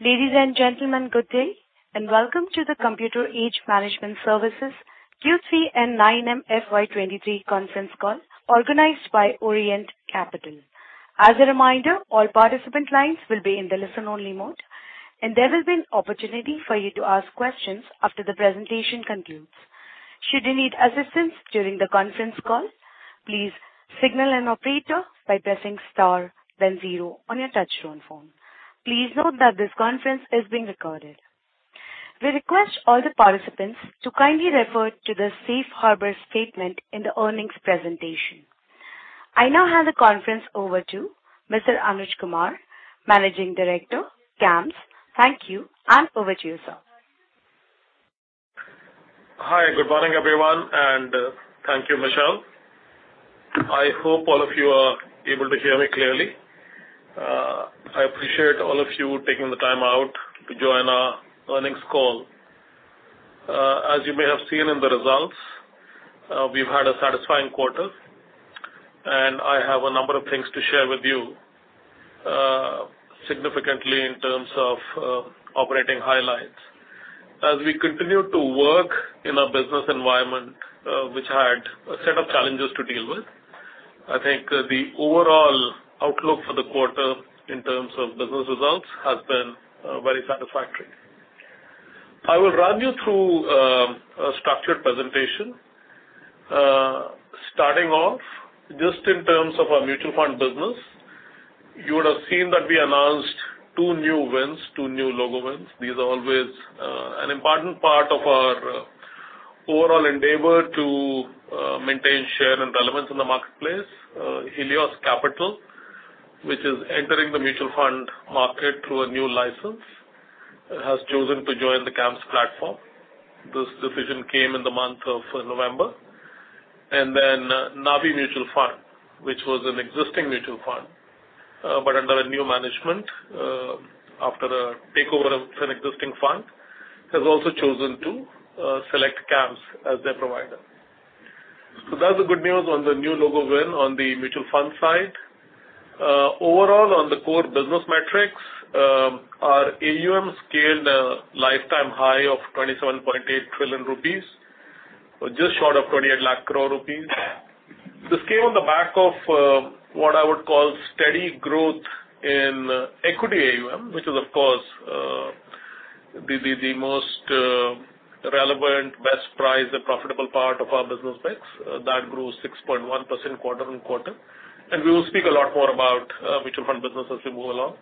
Ladies and gentlemen, good day. Welcome to the Computer Age Management Services Q3 9M FY23 Conference Call organized by Orient Capital. As a reminder, all participant lines will be in the listen-only mode. There will be an opportunity for you to ask questions after the presentation concludes. Should you need assistance during the conference call, please signal an operator by pressing star zero on your touchtone phone. Please note that this conference is being recorded. We request all the participants to kindly refer to the safe harbor statement in the earnings presentation. I now hand the conference over to Mr. Anuj Kumar, Managing Director, CAMS. Thank you. Over to you, sir. Hi, good morning, everyone, and thank you, Michelle. I hope all of you are able to hear me clearly. I appreciate all of you taking the time out to join our earnings call. As you may have seen in the results, we've had a satisfying quarter, and I have a number of things to share with you, significantly in terms of operating highlights. As we continue to work in a business environment, which had a set of challenges to deal with, I think the overall outlook for the quarter in terms of business results has been very satisfactory. I will run you through a structured presentation. Starting off just in terms of our mutual fund business. You would have seen that we announced two new wins, two new logo wins. These are always an important part of our overall endeavor to maintain share and relevance in the marketplace. Helios Capital, which is entering the mutual fund market through a new license, has chosen to join the CAMS platform. This decision came in the month of November. Navi Mutual Fund, which was an existing mutual fund, but under a new management, after a takeover of an existing fund, has also chosen to select CAMS as their provider. That's the good news on the new logo win on the mutual fund side. Overall, on the core business metrics, our AUM scaled a lifetime high of 27.8 trillion rupees, just short of 28 lakh crore rupees. This came on the back of what I would call steady growth in equity AUM, which is of course, the most relevant, best priced and profitable part of our business mix. That grew 6.1% quarter-on-quarter. We will speak a lot more about mutual fund business as we move along.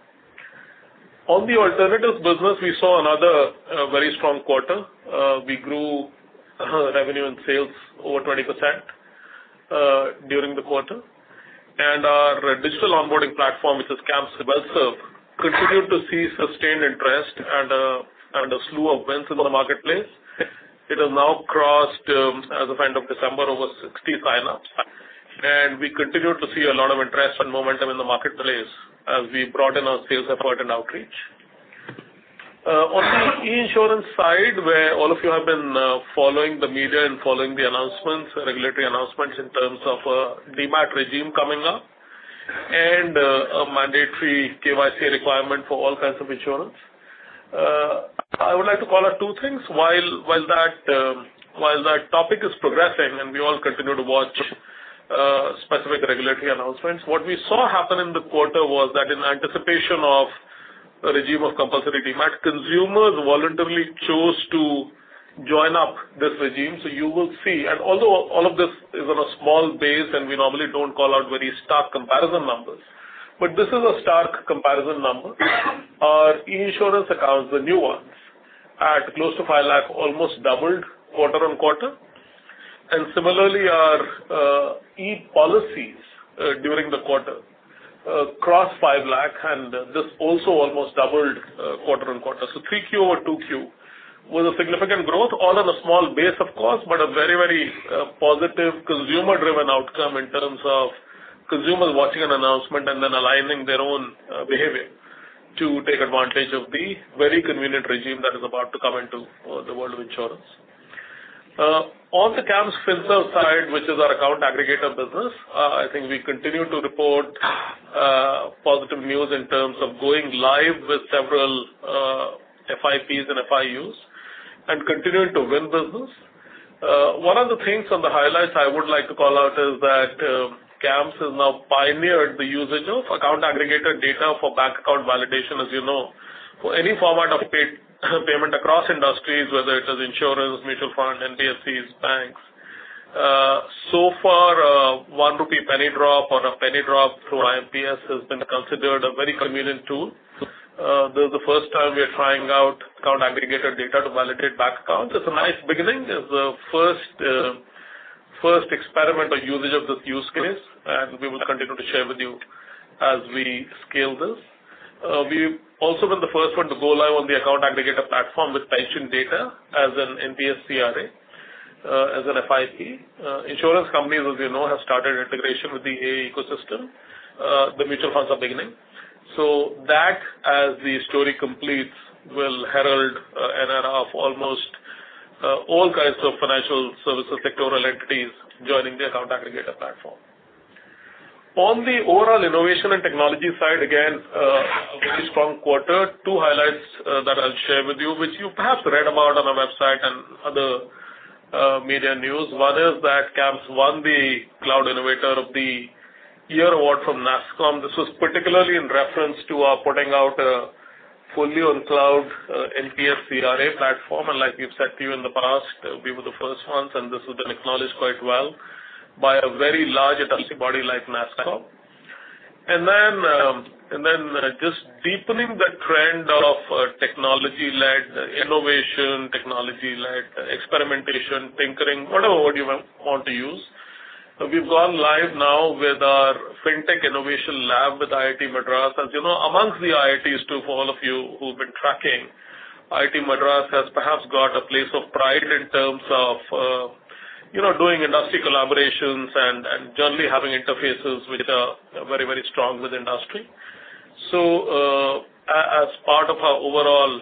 On the alternatives business, we saw another very strong quarter. We grew revenue and sales over 20% during the quarter. Our digital onboarding platform, which is CAMS WealthServ, continued to see sustained interest and a slew of wins in the marketplace. It has now crossed, as of end of December, over 60 sign-ups, and we continue to see a lot of interest and momentum in the marketplace as we broaden our sales effort and outreach. On the e-insurance side, where all of you have been following the media and following the announcements, regulatory announcements in terms of Demat regime coming up and a mandatory KYC requirement for all kinds of insurance. I would like to call out two things. While that topic is progressing, and we all continue to watch specific regulatory announcements, what we saw happen in the quarter was that in anticipation of a regime of compulsory Demat, consumers voluntarily chose to join up this regime. You will see. Although all of this is on a small base, and we normally don't call out very stark comparison numbers, but this is a stark comparison number. Our e-insurance accounts, the new ones, at close to 5 lakh almost doubled quarter-on-quarter. Similarly, our e-policies during the quarter crossedI NR 5 lakh, and this also almost doubled quarter-on-quarter. Q3 over Q2 was a significant growth, all on a small base of course, but a very, very positive consumer-driven outcome in terms of consumers watching an announcement and then aligning their own behavior to take advantage of the very convenient regime that is about to come into the world of insurance. On the CAMS FinServ side, which is our account aggregator business, I think we continue to report positive news in terms of going live with several FIPs and FIUs and continuing to win business. One of the things on the highlights I would like to call out is that CAMS has now pioneered the usage of account aggregator data for bank account validation as you know. Any format of paid payment across industries, whether it is insurance, mutual fund, MPFCs, banks. So far, 1 rupee drop on a penny drop through IMPS has been considered a very convenient tool. This is the first time we are trying out account aggregator data to validate bank accounts. It's a nice beginning. It's the first experiment or usage of this use case, and we will continue to share with you as we scale this. We've also been the first one to go live on the account aggregator platform with Titun data as an MPFCRA, as an FIP. Insurance companies, as you know, have started integration with the AA ecosystem. The mutual funds are beginning. That, as the story completes, will herald an era of almost all kinds of financial services sectoral entities joining the account aggregator platform. On the overall innovation and technology side, again, very strong quarter. Two highlights that I'll share with you, which you perhaps read about on our website and other media news. One is that CAMS won the Cloud Innovator of the Year award from NASSCOM. This was particularly in reference to our putting out a fully on cloud NPS CRA platform. Like we've said to you in the past, we were the first ones, and this has been acknowledged quite well by a very large industry body like NASSCOM. Just deepening the trend of technology-led innovation, technology-led experimentation, tinkering, whatever word you want to use. We've gone live now with our FinTech Innovation Lab with IIT Madras. As you know, amongst the IITs, too, for all of you who've been tracking, IIT Madras has perhaps got a place of pride in terms of, you know, doing industry collaborations and generally having interfaces which are very, very strong with industry. As part of our overall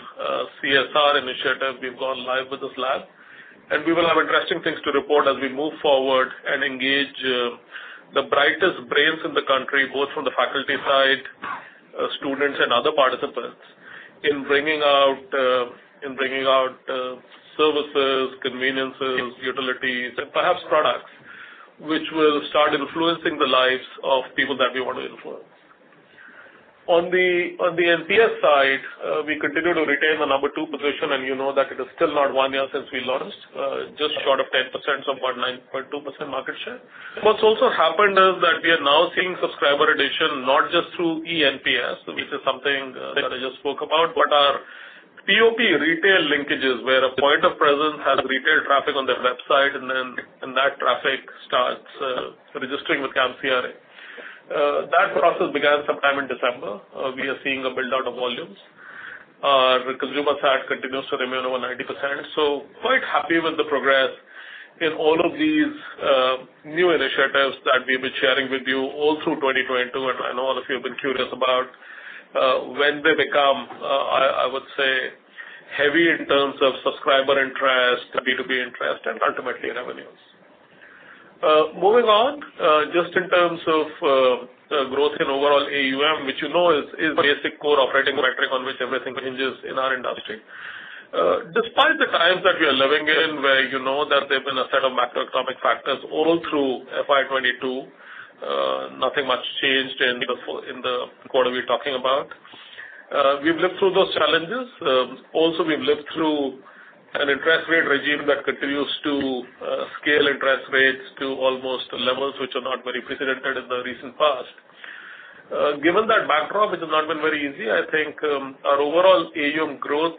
CSR initiative, we've gone live with this lab, and we will have interesting things to report as we move forward and engage the brightest brains in the country, both from the faculty side, students and other participants in bringing out services, conveniences, utilities, and perhaps products which will start influencing the lives of people that we want to influence. On the NPS side, we continue to retain the number two position, and you know that it is still not one year since we launched. Just short of 10%, so 9.2% market share. What's also happened is that we are now seeing subscriber addition not just through eNPS, which is something that I just spoke about. Our POP retail linkages where a point of presence has retail traffic on their website and then, and that traffic starts registering with CAMS CRA. That process began sometime in December. We are seeing a build out of volumes. The consumer side continues to remain over 90%. Quite happy with the progress in all of these new initiatives that we've been sharing with you all through 2022. I know a lot of you have been curious about when they become, I would say heavy in terms of subscriber interest, B2B interest and ultimately revenues. Moving on, just in terms of growth in overall AUM, which you know is basic core operating metric on which everything hinges in our industry. Despite the times that we are living in, where you know that there have been a set of macroeconomic factors all through FY22, nothing much changed in the quarter we're talking about. We've lived through those challenges. Also we've lived through an interest rate regime that continues to scale interest rates to almost levels which are not very precedented in the recent past. Given that backdrop, it has not been very easy. I think, our overall AUM growth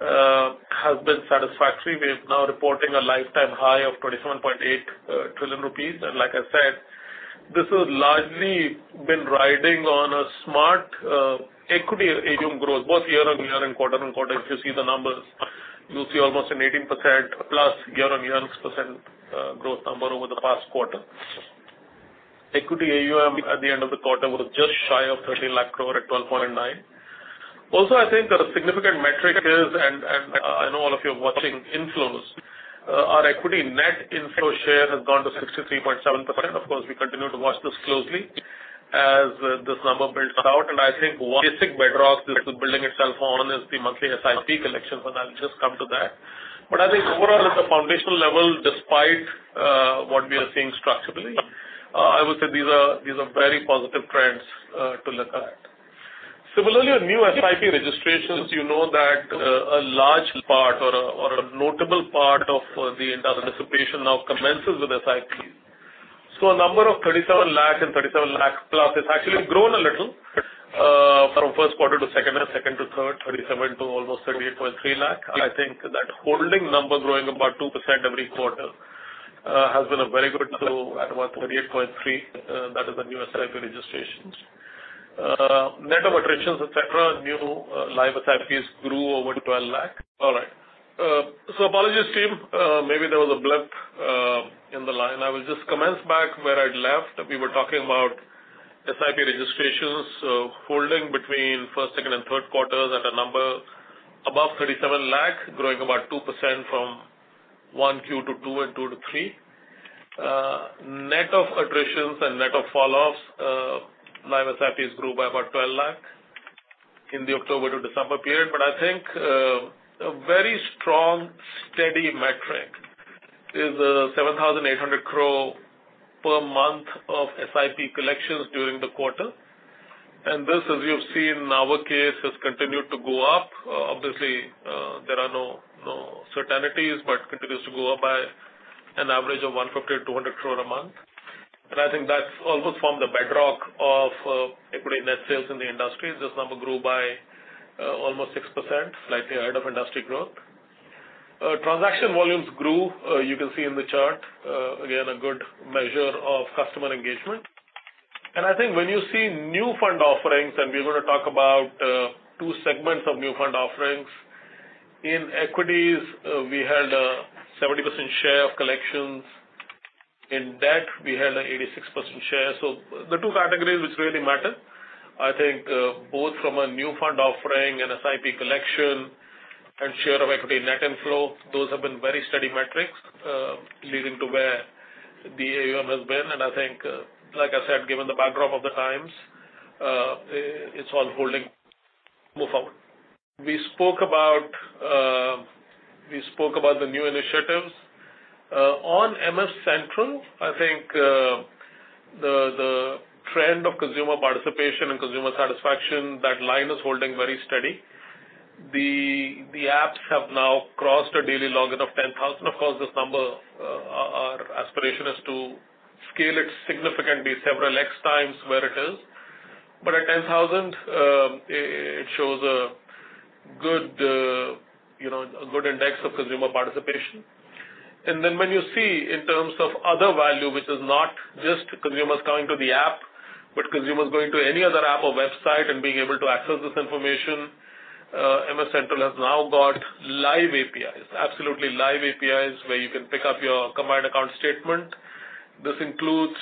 has been satisfactory. We're now reporting a lifetime high of 27.8 trillion rupees. Like I said, this has largely been riding on a smart equity AUM growth both year-on-year and quarter-on-quarter. If you see the numbers, you'll see almost an 18%+ year-over-year and 6% growth number over the past quarter. Equity AUM at the end of the quarter was just shy of 13 lakh crore at 12.9 lakh crore. I think the significant metric is, and I know all of you are watching inflows. Our equity net inflow share has gone to 63.7%. Of course, we continue to watch this closely as this number builds out. I think basic bedrock this is building itself on is the monthly SIP collections, and I'll just come to that. I think overall at the foundational level, despite what we are seeing structurally, I would say these are very positive trends to look at. Similarly, on new SIP registrations, you know that, a large part or a, or a notable part of the industry participation now commences with SIPs. A number of 37 lakh and 37 lakh plus has actually grown a little, from first quarter to second half, second to third, 37 lakh to almost 38.3 lakh. I think that holding number growing about 2% every quarter, has been a very good tool at about 38.3 lakh, that is the new SIP registrations. Net of attritions, etc, new, live SIPs grew over 12 lakh. All right. So apologies, team. Maybe there was a blip in the line. I will just commence back where I'd left. We were talking about SIP registrations holding between first, second and third quarters at a number above 37 lakh, growing about 2% from Q1-Q2 and Q2-Q3. Net of attritions and net of falloffs, live SIPs grew by about 12 lakh in the October to December period. I think a very strong, steady metric is 7,800 crore per month of SIP collections during the quarter. This, as you've seen in our case, has continued to go up. Obviously, there are no certainties, but continues to go up by an average of 150-200 crore a month. I think that's almost formed the bedrock of equity net sales in the industry. This number grew by almost 6%, slightly ahead of industry growth. Transaction volumes grew. You can see in the chart, again, a good measure of customer engagement. I think when you see new fund offerings, and we're gonna talk about two segments of new fund offerings. In equities, we had a 70% share of collections. In debt, we had an 86% share. The two categories which really matter. I think, both from a new fund offering and SIP collection and share of equity net and flow, those have been very steady metrics, leading to where the AUM has been. I think, like I said, given the backdrop of the times, it's all holding move forward. We spoke about the new initiatives. On MF Central, I think, the trend of consumer participation and consumer satisfaction, that line is holding very steady. The apps have now crossed a daily login of 10,000. Of course, this number, our aspiration is to scale it significantly several X times where it is. At 10,000, it shows a good, you know, a good index of consumer participation. When you see in terms of other value, which is not just consumers coming to the app, but consumers going to any other app or website and being able to access this information, MF Central has now got live APIs, absolutely live APIs, where you can pick up your combined account statement. This includes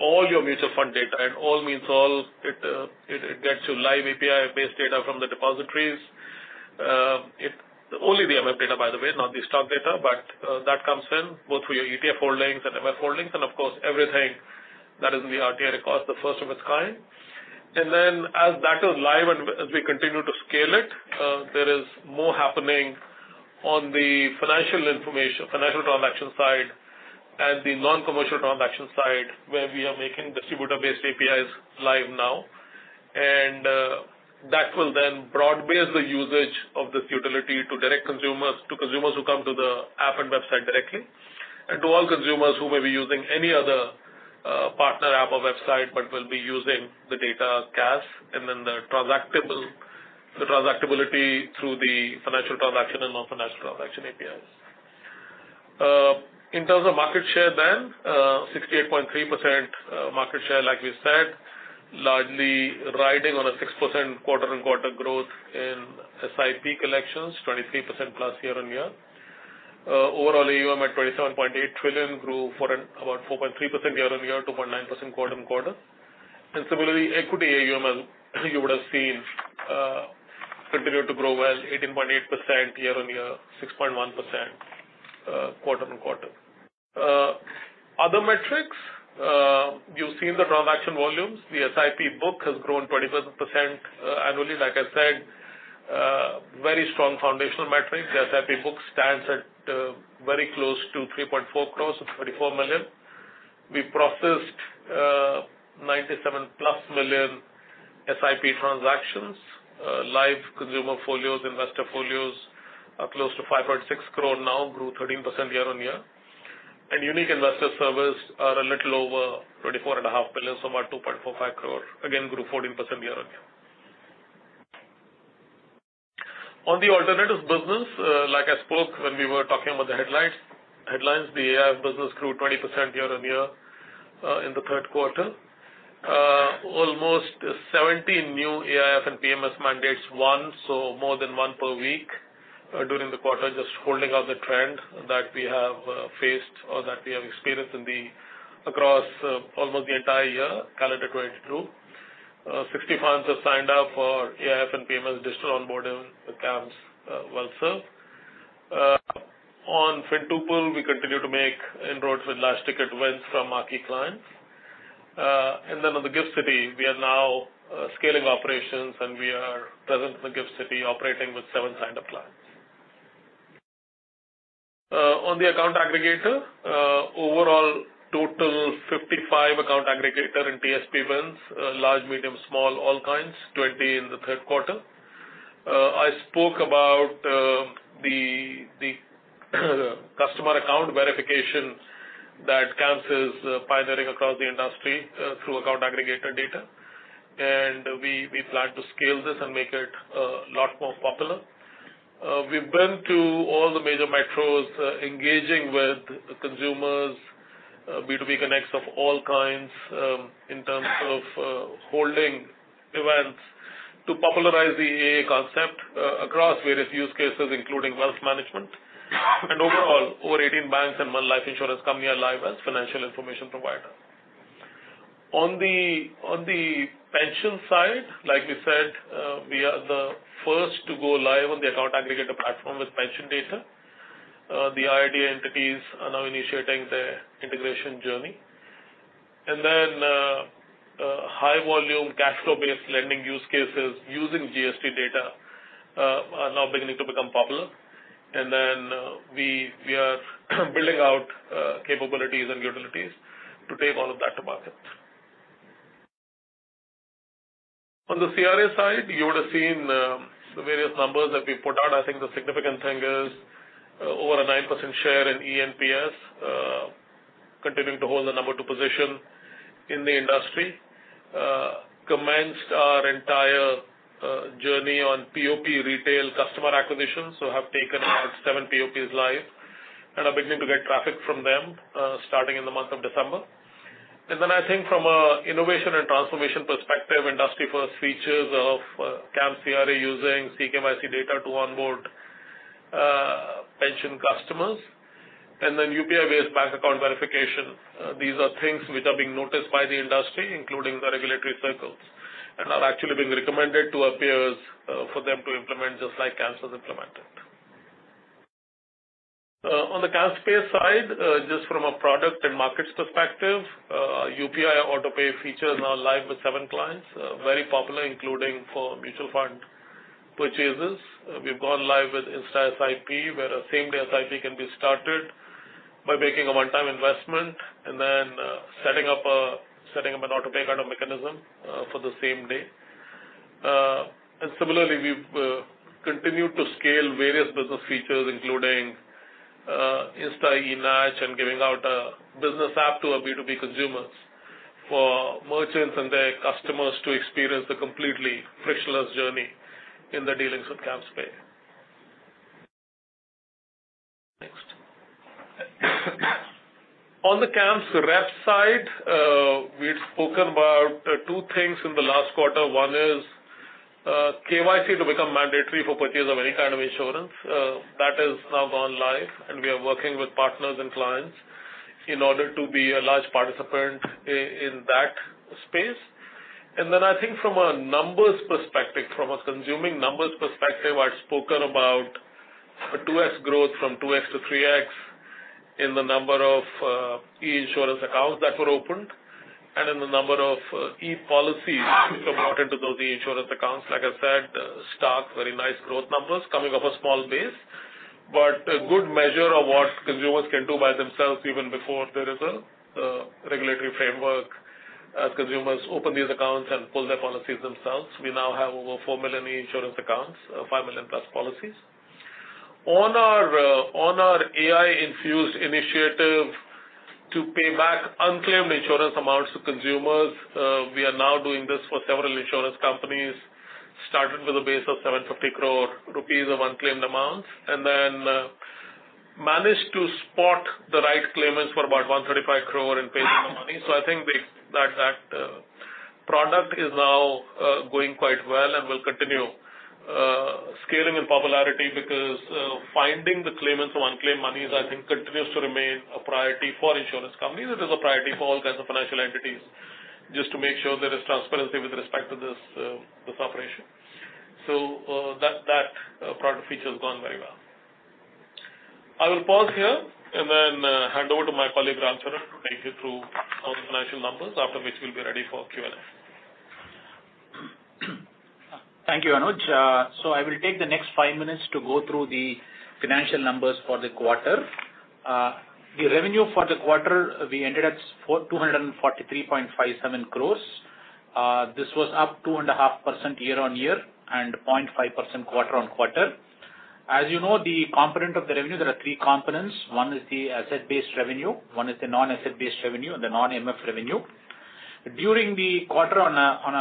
all your mutual fund data, and all means all. It gets you live API-based data from the depositories. Only the MF data, by the way, not the stock data, but that comes in both through your ETF holdings and MF holdings, and of course, everything that is in the RTA records, the first of its kind. As that goes live and as we continue to scale it, there is more happening on the financial information, financial transaction side and the non-commercial transaction side where we are making distributor-based APIs live now. That will then broad-base the usage of this utility to direct consumers, to consumers who come to the app and website directly, and to all consumers who may be using any other partner app or website but will be using the data CaaS and then the transactable, the transactability through the financial transaction and non-financial transaction APIs. In terms of market share, 68.3% market share, like we said, largely riding on a 6% quarter-on-quarter growth in SIP collections, 23%+ year-on-year. Overall AUM at 27.8 trillion grew 4.3% year-on-year, 2.9% quarter-on-quarter. Similarly, equity AUM, as you would have seen, continue to grow well, 18.8% year-on-year, 6.1% quarter-on-quarter. Other metrics, you've seen the transaction volumes. The SIP book has grown 20% annually. Like I said, very strong foundational metric. The SIP book stands at very close to 3.4 crore, so 44 million. We processed 97+ million SIP transactions. Live consumer folios, investor folios are close to 5.6 crore now, grew 13% year-on-year. Unique investor service are a little over twenty-four and a half billion, so about 2.45 crore, again grew 14% year-on-year. On the alternatives business, like I spoke when we were talking about the headlines, the AIF business grew 20% year-on-year in the third quarter. Almost 17 new AIF and PMS mandates won, so more than one per week during the quarter, just holding up the trend that we have faced or that we have experienced in the, across, almost the entire year, calendar 2022. 60 funds have signed up for AIF and PMS digital onboarding with CAMS WealthServ. On Fintuple, we continue to make inroads with large ticket wins from marquee clients. On the Gift City, we are now scaling operations, and we are present in the Gift City operating with seven signed-up clients. On the account aggregator, overall total 55 account aggregator and TSP wins, large, medium, small, all kinds, 20 in the third quarter. I spoke about the customer account verification that CAMS is pioneering across the industry through account aggregator data. We plan to scale this and make it a lot more popular. We've been to all the major metros, engaging with consumers, B2B connects of all kinds, in terms of holding events to popularize the AA concept across various use cases, including wealth management. Overall, over 18 banks and one life insurance company are live as financial information provider. On the pension side, like we said, we are the first to go live on the account aggregator platform with pension data. The IRDAI entities are now initiating their integration journey. High volume cash flow-based lending use cases using GST data, are now beginning to become popular. We are building out capabilities and utilities to take all of that to market. On the CRA side, you would have seen, the various numbers that we put out. I think the significant thing is, over a 9% share in eNPS, continuing to hold the number two position in the industry. Commenced our entire journey on POP retail customer acquisition, so have taken our seven POPs live and are beginning to get traffic from them, starting in the month of December. I think from an innovation and transformation perspective, industry first features of CAMS CRA using CKYC data to onboard customers and then UPI based bank account verification. These are things which are being noticed by the industry, including the regulatory circles, and are actually being recommended to our peers for them to implement, just like CAMS has implemented. On the CAMSPay side, just from a product and markets perspective, UPI AutoPay features are live with seven clients, very popular, including for mutual fund purchases. We've gone live with Insta SIP, where a same-day SIP can be started by making a one-time investment and then setting up an auto pay kind of mechanism for the same day. Similarly, we've continued to scale various business features, including Insta eNACH and giving out a business app to our B2B consumers for merchants and their customers to experience a completely frictionless journey in their dealings with CAMSPay. Next. On the CAMSRep side, we had spoken about two things in the last quarter. One is KYC to become mandatory for purchase of any kind of insurance. That has now gone live, and we are working with partners and clients in order to be a large participant in that space. I think from a numbers perspective, from a consuming numbers perspective, I'd spoken about a 2x growth from 2x-3x in the number of e-insurance accounts that were opened and in the number of e-policies promoted to those e-insurance accounts. Like I said, start very nice growth numbers coming off a small base. A good measure of what consumers can do by themselves even before there is a regulatory framework as consumers open these accounts and pull their policies themselves. We now have over 4 million e-insurance accounts, 5 million+ policies. On our AI infused initiative to pay back unclaimed insurance amounts to consumers, we are now doing this for several insurance companies, started with a base of 750 crore rupees of unclaimed amounts, and then managed to spot the right claimants for about 135 crore in paying the money. I think that product is now going quite well and will continue scaling in popularity because finding the claimants of unclaimed money is, I think, continues to remain a priority for insurance companies. It is a priority for all kinds of financial entities, just to make sure there is transparency with respect to this operation. That product feature has gone very well. I will pause here and then hand over to my colleague, Ram charan, to take you through our financial numbers, after which we'll be ready for Q&A. Thank you, Anuj. I will take the next five minutes to go through the financial numbers for the quarter. The revenue for the quarter, we ended at 243.57 crore. This was up 2.5% year-on-year and 0.5% quarter-on-quarter. As you know, the component of the revenue, there are three components. One is the asset-based revenue, one is the non-asset-based revenue, and the non-MF revenue. During the quarter on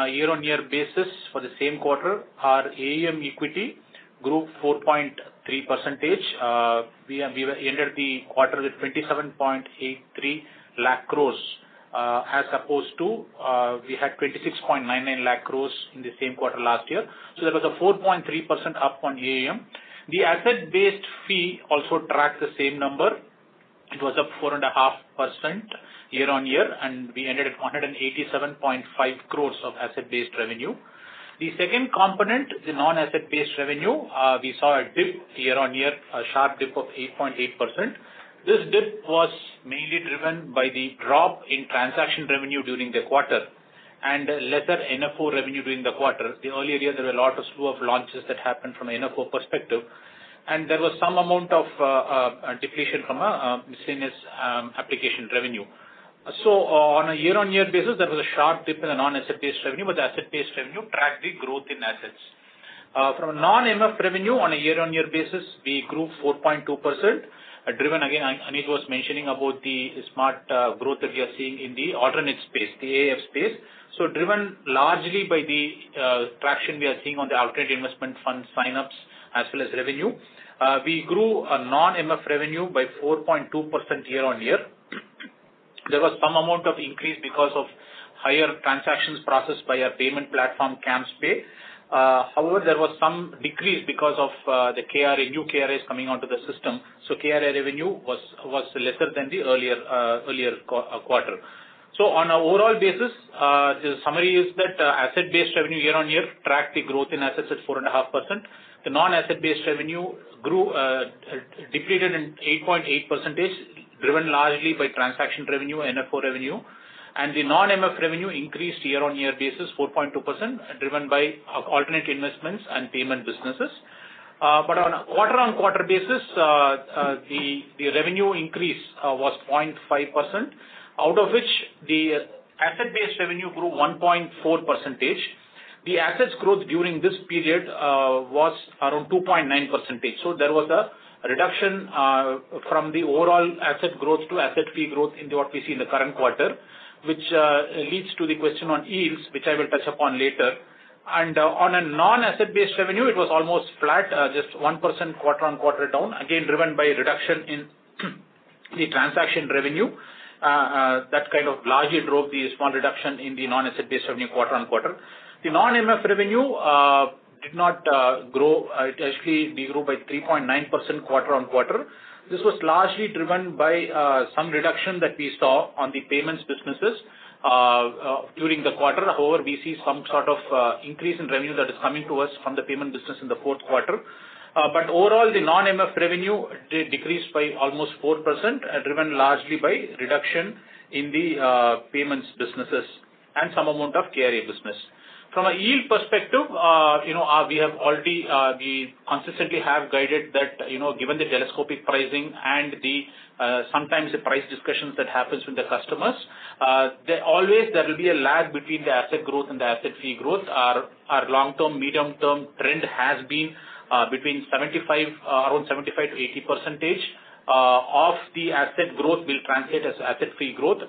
a year-on-year basis for the same quarter, our AUM equity grew 4.3%. We ended the quarter with 27.83 lakh crore as opposed to we had 26.99 lakh crore in the same quarter last year. There was a 4.3% up on AUM. The asset-based fee also tracked the same number. It was up 4.5% year-on-year, and we ended at 187.5 crores of asset-based revenue. The second component, the non-asset-based revenue, we saw a dip year-on-year, a sharp dip of 8.8%. This dip was mainly driven by the drop in transaction revenue during the quarter and lesser NFO revenue during the quarter. The earlier year, there were a lot of slew of launches that happened from an NFO perspective, and there was some amount of depletion from a miscellaneous application revenue. On a year-on-year basis, there was a sharp dip in the non-asset-based revenue, but the asset-based revenue tracked the growth in assets. From a non-MF revenue on a year-on-year basis, we grew 4.2%, driven again, Anuj was mentioning about the smart growth that we are seeing in the alternate space, the AIF space. Driven largely by the traction we are seeing on the alternate investment fund sign-ups as well as revenue. We grew non-MF revenue by 4.2% year on year. There was some amount of increase because of higher transactions processed by our payment platform, CAMSPay. However, there was some decrease because of the KRA, new KRAs coming onto the system. KRA revenue was lesser than the earlier quarter. On an overall basis, the summary is that asset-based revenue year on year tracked the growth in assets at 4.5%. The non-asset-based revenue grew, depleted in 8.8%, driven largely by transaction revenue, NFO revenue. The non-MF revenue increased year-over-year basis, 4.2%, driven by alternate investments and payment businesses. On a quarter-over-quarter basis, the revenue increase was 0.5%, out of which the asset-based revenue grew 1.4%. The assets growth during this period was around 2.9%. There was a reduction from the overall asset growth to asset fee growth into what we see in the current quarter, which leads to the question on yields, which I will touch upon later. On a non-asset-based revenue, it was almost flat, just 1% quarter-on-quarter down, again, driven by a reduction in NFO transaction revenue that kind of largely drove the small reduction in the non-asset-based revenue quarter-on-quarter. The non-MF revenue did not grow. It actually de-grew by 3.9% quarter-on-quarter. This was largely driven by some reduction that we saw on the payments businesses during the quarter. However, we see some sort of increase in revenue that is coming to us from the payment business in the fourth quarter. Overall, the non-MF revenue did decrease by almost 4%, driven largely by reduction in the payments businesses and some amount of CRA business. From a yield perspective, you know, we have already, we consistently have guided that, you know, given the telescopic pricing and the sometimes the price discussions that happens with the customers, there always there will be a lag between the asset growth and the asset fee growth. Our long-term, medium-term trend has been between 75%, around 75%-80% of the asset growth will translate as asset fee growth.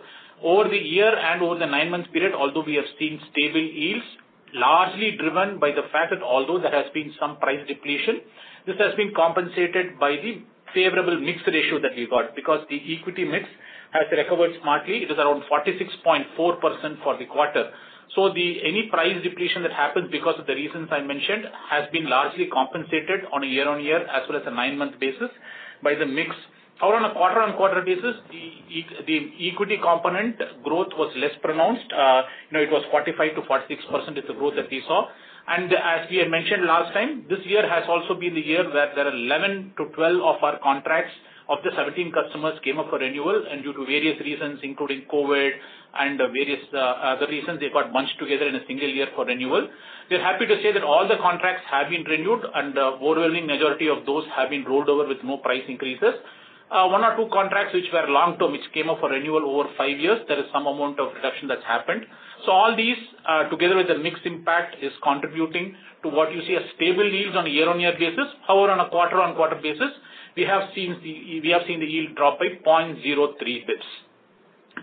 Over the year and over the nine-month period, although we have seen stable yields, largely driven by the fact that although there has been some price depletion, this has been compensated by the favorable mix ratio that we got because the equity mix has recovered smartly. It is around 46.4% for the quarter. Any price depletion that happens because of the reasons I mentioned has been largely compensated on a year-on-year as well as a nine-month basis by the mix. However, on a quarter-on-quarter basis, the equity component growth was less pronounced. you know, it was 45%-46% is the growth that we saw. As we had mentioned last time, this year has also been the year where there are 11-12 of our contracts of the 17 customers came up for renewal and due to various reasons, including COVID and various other reasons, they got bunched together in a single year for renewal. We're happy to say that all the contracts have been renewed, and overwhelmingly majority of those have been rolled over with no price increases. one or two contracts which were long-term, which came up for renewal over five years, there is some amount of reduction that's happened. All these, together with the mix impact, is contributing to what you see as stable yields on a year-on-year basis. However, on a quarter-on-quarter basis, we have seen the yield drop by 0.03 basis points.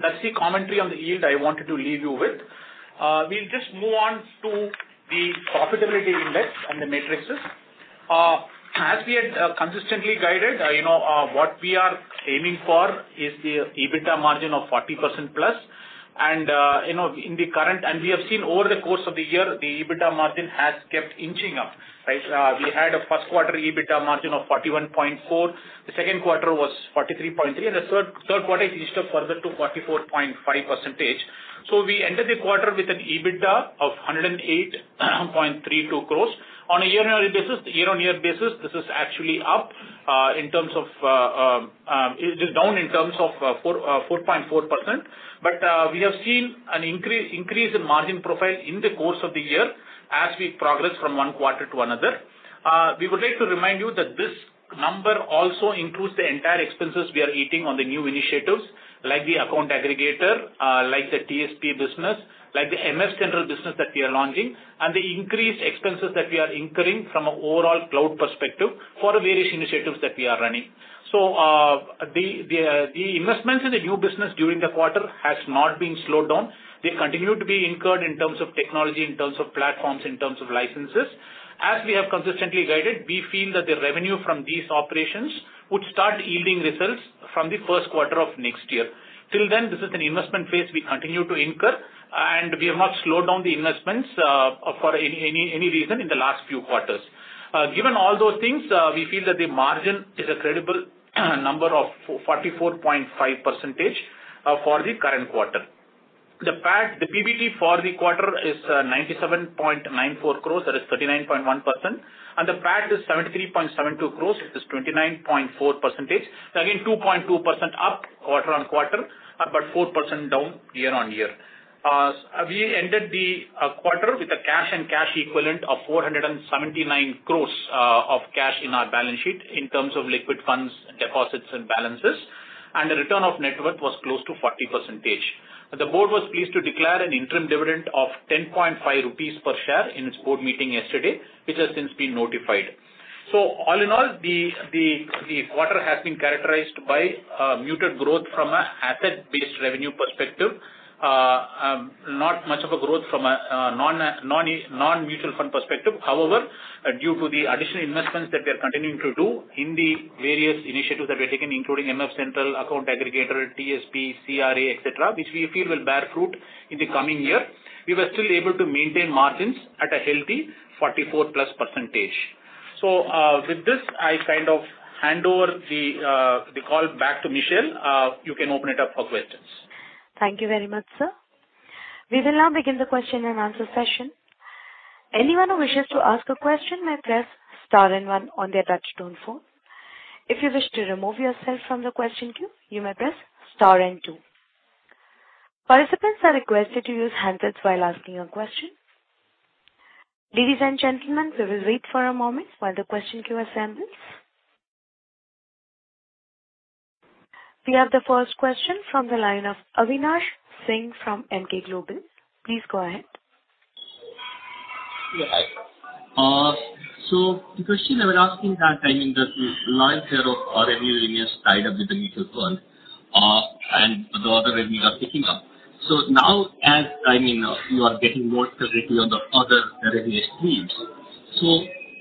That's the commentary on the yield I wanted to leave you with. We'll just move on to the profitability index and the matrices. As we had consistently guided, you know, what we are aiming for is the EBITDA margin of 40%+. You know, we have seen over the course of the year, the EBITDA margin has kept inching up, right? We had a first quarter EBITDA margin of 41.4%. The second quarter was 43.3%, the third quarter it inched up further to 44.5%. We ended the quarter with an EBITDA of 108.32 crores. On a year-on-year basis, this is actually up. It is down in terms of 4.4%. We have seen an increase in margin profile in the course of the year as we progress from one quarter to another. We would like to remind you that this number also includes the entire expenses we are eating on the new initiatives, like the Account Aggregator, like the TSP business, like the MFCentral business that we are launching, and the increased expenses that we are incurring from an overall cloud perspective for various initiatives that we are running. The investments in the new business during the quarter has not been slowed down. They continue to be incurred in terms of technology, in terms of platforms, in terms of licenses. As we have consistently guided, we feel that the revenue from these operations would start yielding results from the first quarter of next year. Till then, this is an investment phase we continue to incur, and we have not slowed down the investments, for any reason in the last few quarters. Given all those things, we feel that the margin is a credible number of 44.5% for the current quarter. The PBT for the quarter is 97.94 crores, that is 39.1%, and the PAT is 73.72 crores, which is 29.4%. Again, 2.2% up quarter-on-quarter, but 4% down year-on-year. We ended the quarter with a cash and cash equivalent of 479 crores of cash in our balance sheet in terms of liquid funds, deposits, and balances. The return of net worth was close to 40%. The board was pleased to declare an interim dividend of 10.5 rupees per share in its board meeting yesterday, which has since been notified. All in all, the quarter has been characterized by muted growth from a asset-based revenue perspective. Not much of a growth from a non-mutual fund perspective. However, due to the additional investments that we are continuing to do in the various initiatives that we have taken, including MF Central, account aggregator, TSP, CRA, et cetera, which we feel will bear fruit in the coming year, we were still able to maintain margins at a healthy 44%+ percentage. With this, I kind of hand over the call back to Michelle. You can open it up for questions. Thank you very much, sir. We will now begin the question and answer session. Anyone who wishes to ask a question may press star and one on their touchtone phone. If you wish to remove yourself from the question queue, you may press star and two. Participants are requested to use handsets while asking a question. Ladies and gentlemen, we will wait for a moment while the question queue assembles. We have the first question from the line of Avinash Singh from Emkay Global. Please go ahead. Yeah, hi. The question I was asking that, I mean, the lion's share of our revenue remains tied up with the mutual fund, and the other revenue are picking up. Now, as, I mean, you are getting more clarity on the other revenue streams.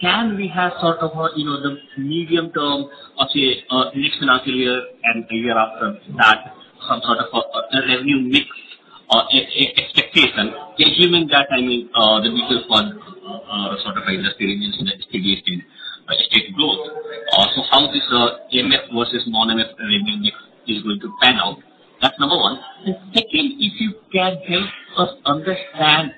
Can we have sort of a, you know, the medium term of say, next financial year and the year after that some sort of a revenue mix or expectation, assuming that, I mean, the mutual fund sort of industry remains in an accelerated state growth. How this MF versus non-MF revenue mix is going to pan out? That's number one. Second, if you can help us understand,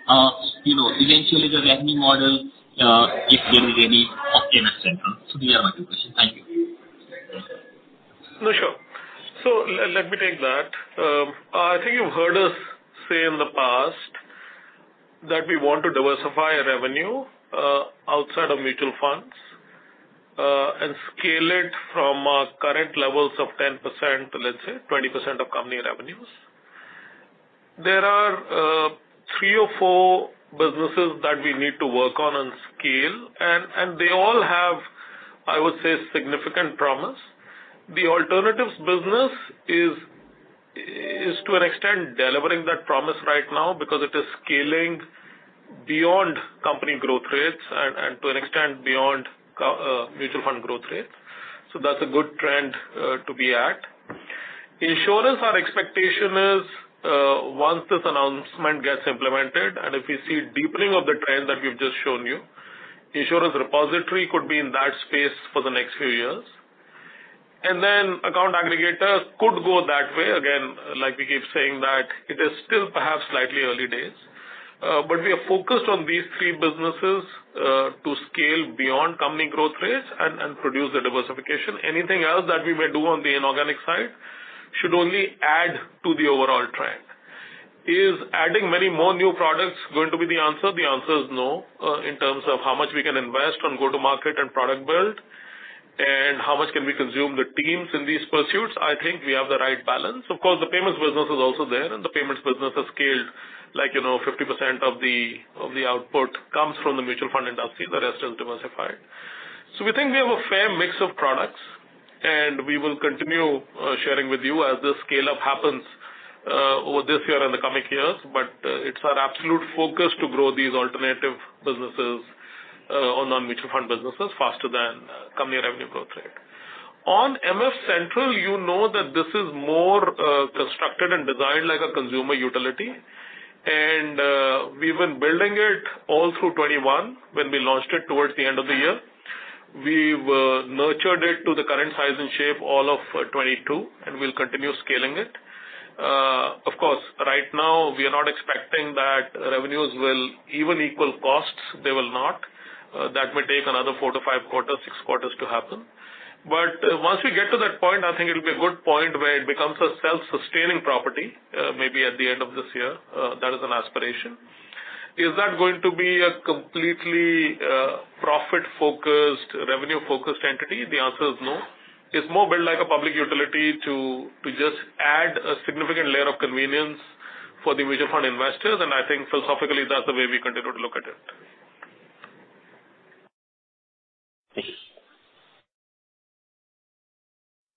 you know, eventually the revenue model, if there is any of MFCentral. These are my two questions. Thank you. Sure. Let me take that. I think you've heard us say in the past that we want to diversify our revenue outside of mutual funds and scale it from our current levels of 10% to, let's say, 20% of company revenues. There are three or four businesses that we need to work on and scale, and they all have, I would say, significant promise. The alternatives business is to an extent delivering that promise right now because it is scaling beyond company growth rates and to an extent beyond mutual fund growth rates. That's a good trend to be at. Insurance, our expectation is, once this announcement gets implemented and if we see deepening of the trend that we've just shown you, Insurance Repository could be in that space for the next few years. Account aggregator could go that way. Like we keep saying that it is still perhaps slightly early days. We are focused on these three businesses, to scale beyond company growth rates and produce a diversification. Anything else that we may do on the inorganic side should only add to the overall trend. Is adding many more new products going to be the answer? The answer is no. In terms of how much we can invest on go-to-market and product build, and how much can we consume the teams in these pursuits, I think we have the right balance. The payments business is also there, and the payments business has scaled, like, you know, 50% of the output comes from the mutual fund industry, the rest is diversified. We think we have a fair mix of products, and we will continue sharing with you as the scale-up happens over this year and the coming years. It's our absolute focus to grow these alternative businesses or non-mutual fund businesses faster than company revenue growth rate. On MFCentral, you know that this is more constructed and designed like a consumer utility. We've been building it all through 2021 when we launched it towards the end of the year. We've nurtured it to the current size and shape all of 2022, and we'll continue scaling it. Of course, right now we are not expecting that revenues will even equal costs. They will not. That may take another four-five quarters, six quarters to happen. Once we get to that point, I think it'll be a good point where it becomes a self-sustaining property, maybe at the end of this year. That is an aspiration. Is that going to be a completely profit-focused, revenue-focused entity? The answer is no. It's more built like a public utility to just add a significant layer of convenience for the mutual fund investors, I think philosophically, that's the way we continue to look at it. Thank you.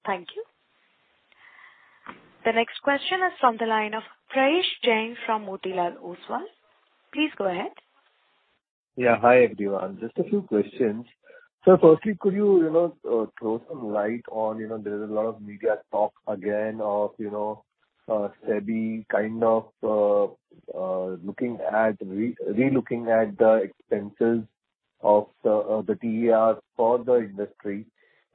Thank you. The next question is from the line of Prayesh Jain from Motilal Oswal. Please go ahead. Yeah. Hi, everyone. Just a few questions. Firstly, could you know, throw some light on, you know, there's a lot of media talk again of, you know, SEBI kind of looking at relooking at the expenses of the TERs for the industry,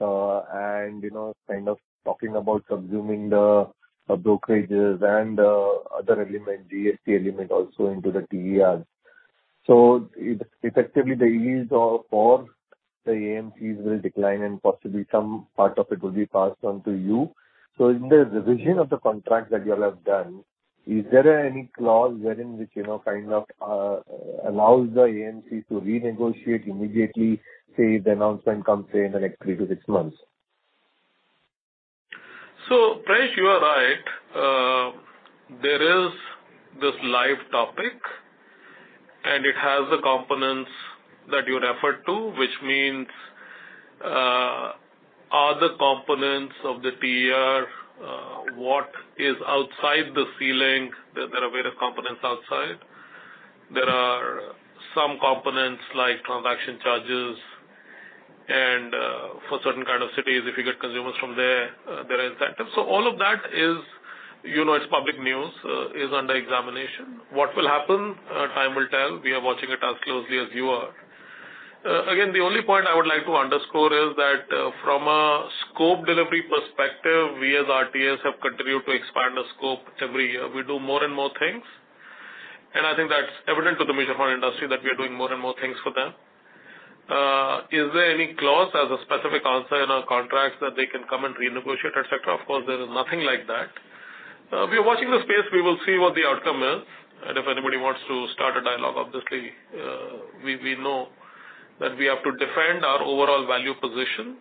and, you know, kind of talking about subsuming the brokerages and other element, GST element also into the TERs. Effectively the ease of for the AMCs will decline and possibly some part of it will be passed on to you. In the revision of the contract that you all have done, is there any clause wherein which, you know, kind of allows the AMCs to renegotiate immediately, say, the announcement comes say in the next three-six months? Prayesh, you are right. There is this live topic, it has the components that you referred to, which means other components of the TER, what is outside the ceiling, there are way of components outside. There are some components like transaction charges and for certain kind of cities, if you get consumers from there are incentives. All of that is, you know, it's public news, is under examination. What will happen? Time will tell. We are watching it as closely as you are. Again, the only point I would like to underscore is that from a scope delivery perspective, we as RTAs have continued to expand our scope every year. We do more and more things, I think that's evident to the mutual fund industry that we are doing more and more things for them. Is there any clause as a specific answer in our contracts that they can come and renegotiate, et cetera? Of course, there is nothing like that. We are watching the space. We will see what the outcome is, and if anybody wants to start a dialogue, obviously, we know that we have to defend our overall value position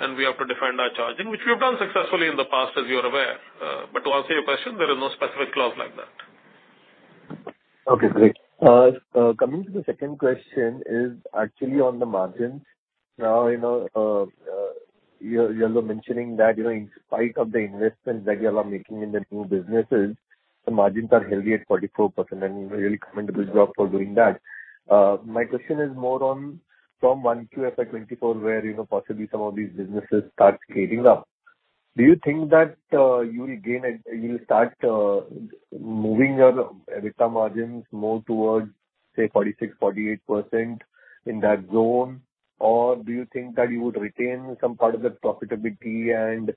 and we have to defend our charging, which we've done successfully in the past, as you're aware. To answer your question, there is no specific clause like that. Okay, great. Coming to the second question is actually on the margins. You know, You're mentioning that, you know, in spite of the investments that you all are making in the new businesses, the margins are healthy at 44% and really commendable job for doing that. My question is more on from Q1 FY24, where, you know, possibly some of these businesses start scaling up. Do you think that you will gain, you'll start moving your EBITDA margins more towards, say, 46%-48% in that zone? Do you think that you would retain some part of that profitability and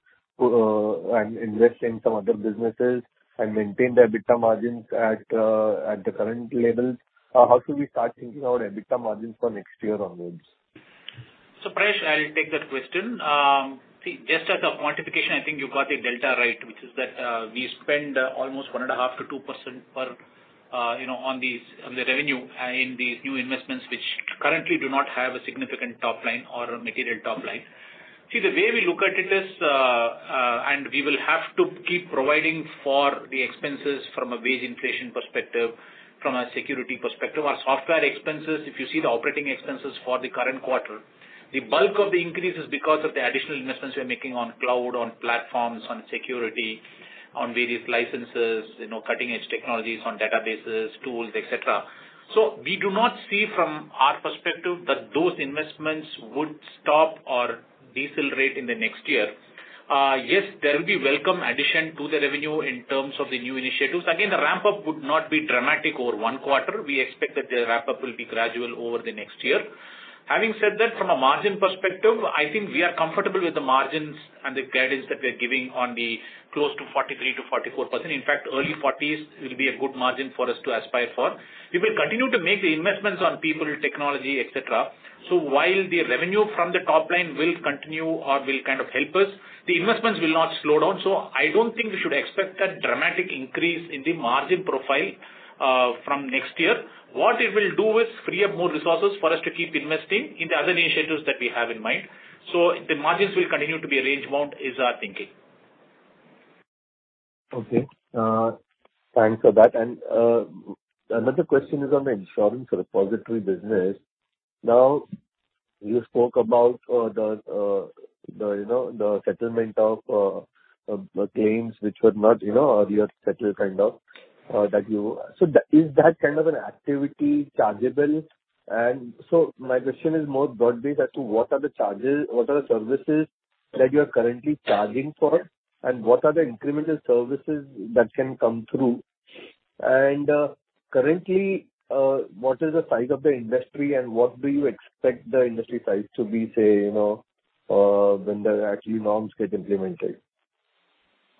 invest in some other businesses and maintain the EBITDA margins at the current levels? How should we start thinking about EBITDA margins for next year onwards? Prayesh, I'll take that question. See, just as a quantification, I think you got the delta right, which is that, we spend almost 1.5%-2% per, you know, on the revenue in these new investments which currently do not have a significant top line or a material top line. See, the way we look at it is, and we will have to keep providing for the expenses from a wage inflation perspective, from a security perspective. Our software expenses, if you see the operating expenses for the current quarter, the bulk of the increase is because of the additional investments we are making on cloud, on platforms, on security, on various licenses, you know, cutting-edge technologies, on databases, tools, etc. We do not see from our perspective that those investments would stop or decelerate in the next year. Yes, there will be welcome addition to the revenue in terms of the new initiatives. Again, the ramp-up would not be dramatic over one quarter. We expect that the ramp-up will be gradual over the next year. Having said that, from a margin perspective, I think we are comfortable with the margins and the guidance that we're giving on the close to 43%-44%. In fact, early forties will be a good margin for us to aspire for. We will continue to make the investments on people, technology, etc. While the revenue from the top line will continue or will kind of help us, the investments will not slow down. I don't think we should expect that dramatic increase in the margin profile from next year. What it will do is free up more resources for us to keep investing in the other initiatives that we have in mind. The margins will continue to be a range amount, is our thinking. Okay. Thanks for that. Another question is on the insurance repository business. Now, you spoke about the, you know, the settlement of claims which were not, you know, earlier settled, kind of, that you. Is that kind of an activity chargeable? My question is more broad-based as to what are the charges, what are the services that you are currently charging for and what are the incremental services that can come through? Currently, what is the size of the industry and what do you expect the industry size to be, say, you know, when the actually norms get implemented?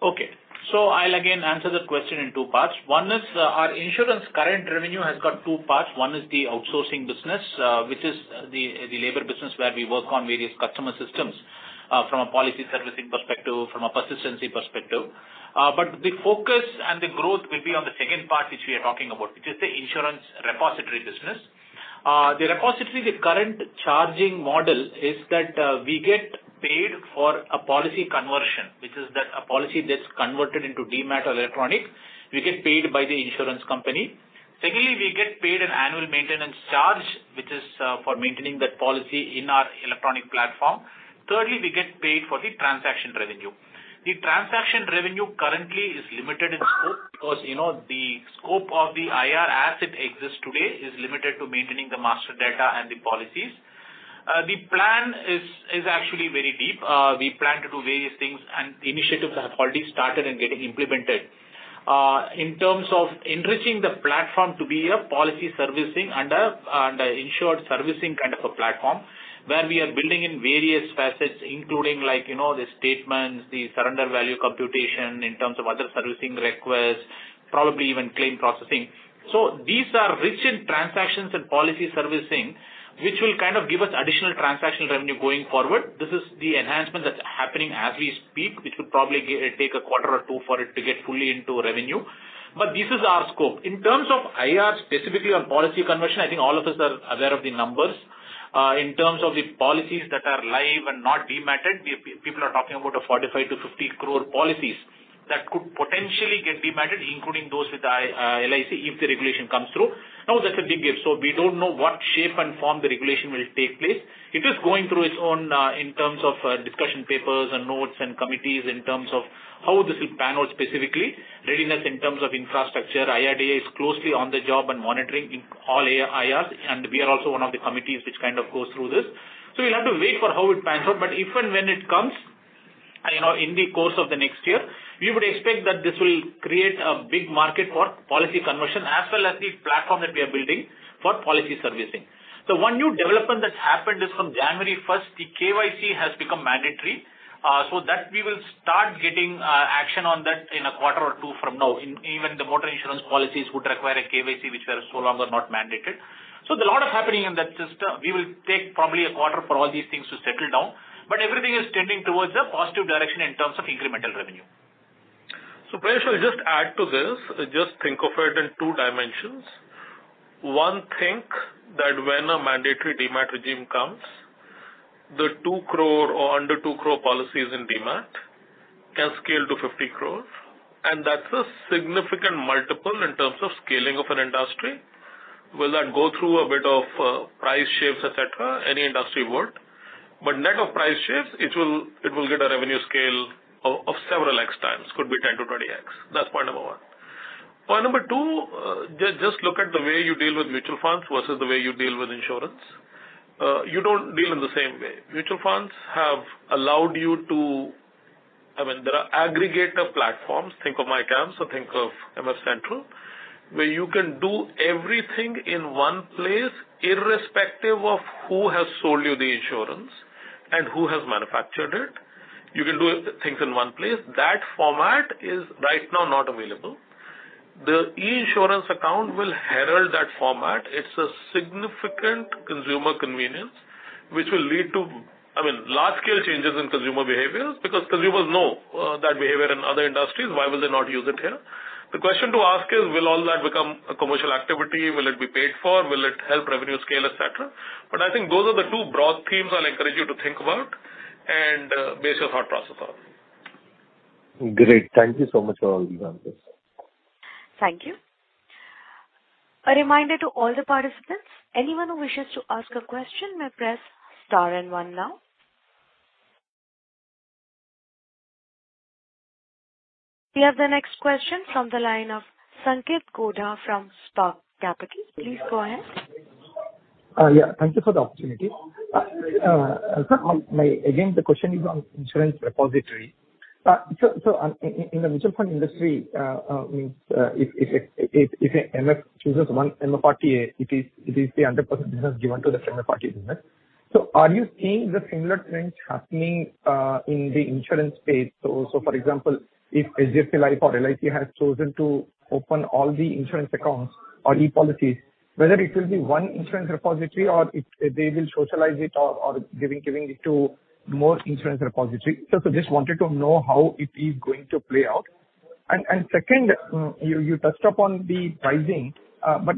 Okay. I'll again answer that question in two parts. One is, our insurance current revenue has got two parts. One is the outsourcing business, which is the labor business where we work on various customer systems, from a policy servicing perspective, from a persistency perspective. The focus and the growth will be on the second part which we are talking about, which is the insurance repository business. The repository, the current charging model is that, we get paid for a policy conversion, which is that a policy that's converted into Demat or electronic, we get paid by the insurance company. Secondly, we get paid an annual maintenance charge, which is for maintaining that policy in our electronic platform. Thirdly, we get paid for the transaction revenue. The transaction revenue currently is limited in scope because, you know, the scope of the IR as it exists today is limited to maintaining the master data and the policies. The plan is actually very deep. We plan to do various things, and initiatives have already started and getting implemented. In terms of enriching the platform to be a policy servicing and a, and a insured servicing kind of a platform, where we are building in various facets, including like, you know, the statements, the surrender value computation in terms of other servicing requests, probably even claim processing. These are rich in transactions and policy servicing, which will kind of give us additional transaction revenue going forward. This is the enhancement that's happening as we speak, which will probably take a quarter or 2 for it to get fully into revenue. This is our scope. In terms of IR specifically on policy conversion, I think all of us are aware of the numbers. In terms of the policies that are live and not Demat-ted, people are talking about a 45-50 crore policies that could potentially get Demat-ted, including those with LIC, if the regulation comes through. That's a big if. We don't know what shape and form the regulation will take place. It is going through its own in terms of discussion papers and notes and committees in terms of how this will pan out specifically. Readiness in terms of infrastructure, IRDAI is closely on the job and monitoring in all IRs, and we are also one of the committees which kind of goes through this. We'll have to wait for how it pans out. If and when it comes, you know, in the course of the next year, we would expect that this will create a big market for policy conversion, as well as the platform that we are building for policy servicing. The one new development that's happened is from January 1st, the KYC has become mandatory. That we will start getting action on that in a quarter or 2 from now. Even the motor insurance policies would require a KYC, which were so long are not mandated. There a lot of happening in that system. We will take probably a quarter for all these things to settle down. Everything is tending towards a positive direction in terms of incremental revenue. Paresh, I'll just add to this. Just think of it in two dimensions. One, think that when a mandatory Demat regime comes, the 2 crore or under 2 crore policies in Demat Can scale to 50 crore. That's a significant multiple in terms of scaling of an industry. Will that go through a bit of price shapes, etc.? Any industry would. Net of price shapes, it will get a revenue scale of several x times. Could be 10x-20x. That's point number one. Point number two, just look at the way you deal with mutual funds versus the way you deal with insurance. You don't deal in the same way. Mutual funds have allowed you to. I mean, there are aggregator platforms, think of myCAMS or think of MFCentral, where you can do everything in one place irrespective of who has sold you the insurance and who has manufactured it. You can do things in one place. That format is right now not available. The e-insurance account will herald that format. It's a significant consumer convenience which will lead to, I mean, large scale changes in consumer behaviors because consumers know, that behavior in other industries, why would they not use it here? The question to ask is, will all that become a commercial activity? Will it be paid for? Will it help revenue scale, etcetera? I think those are the two broad themes I'll encourage you to think about and, base your thought process on. Great. Thank you so much for all the answers. Thank you. A reminder to all the participants, anyone who wishes to ask a question may press star and one now. We have the next question from the line of Sanketh Godha from Spark Capital. Please go ahead. Yeah, thank you for the opportunity. Sir, again, the question is on insurance repository. In the mutual fund industry, if a MF chooses one RTA, it is the 100% business given to the final party business. Are you seeing the similar trend happening in the insurance space? For example, if HDFC Life or LIC has chosen to open all the insurance accounts or e-policies, whether it will be one insurance repository or they will socialize it or giving it to more insurance repository. Just wanted to know how it is going to play out. Second, you touched upon the pricing,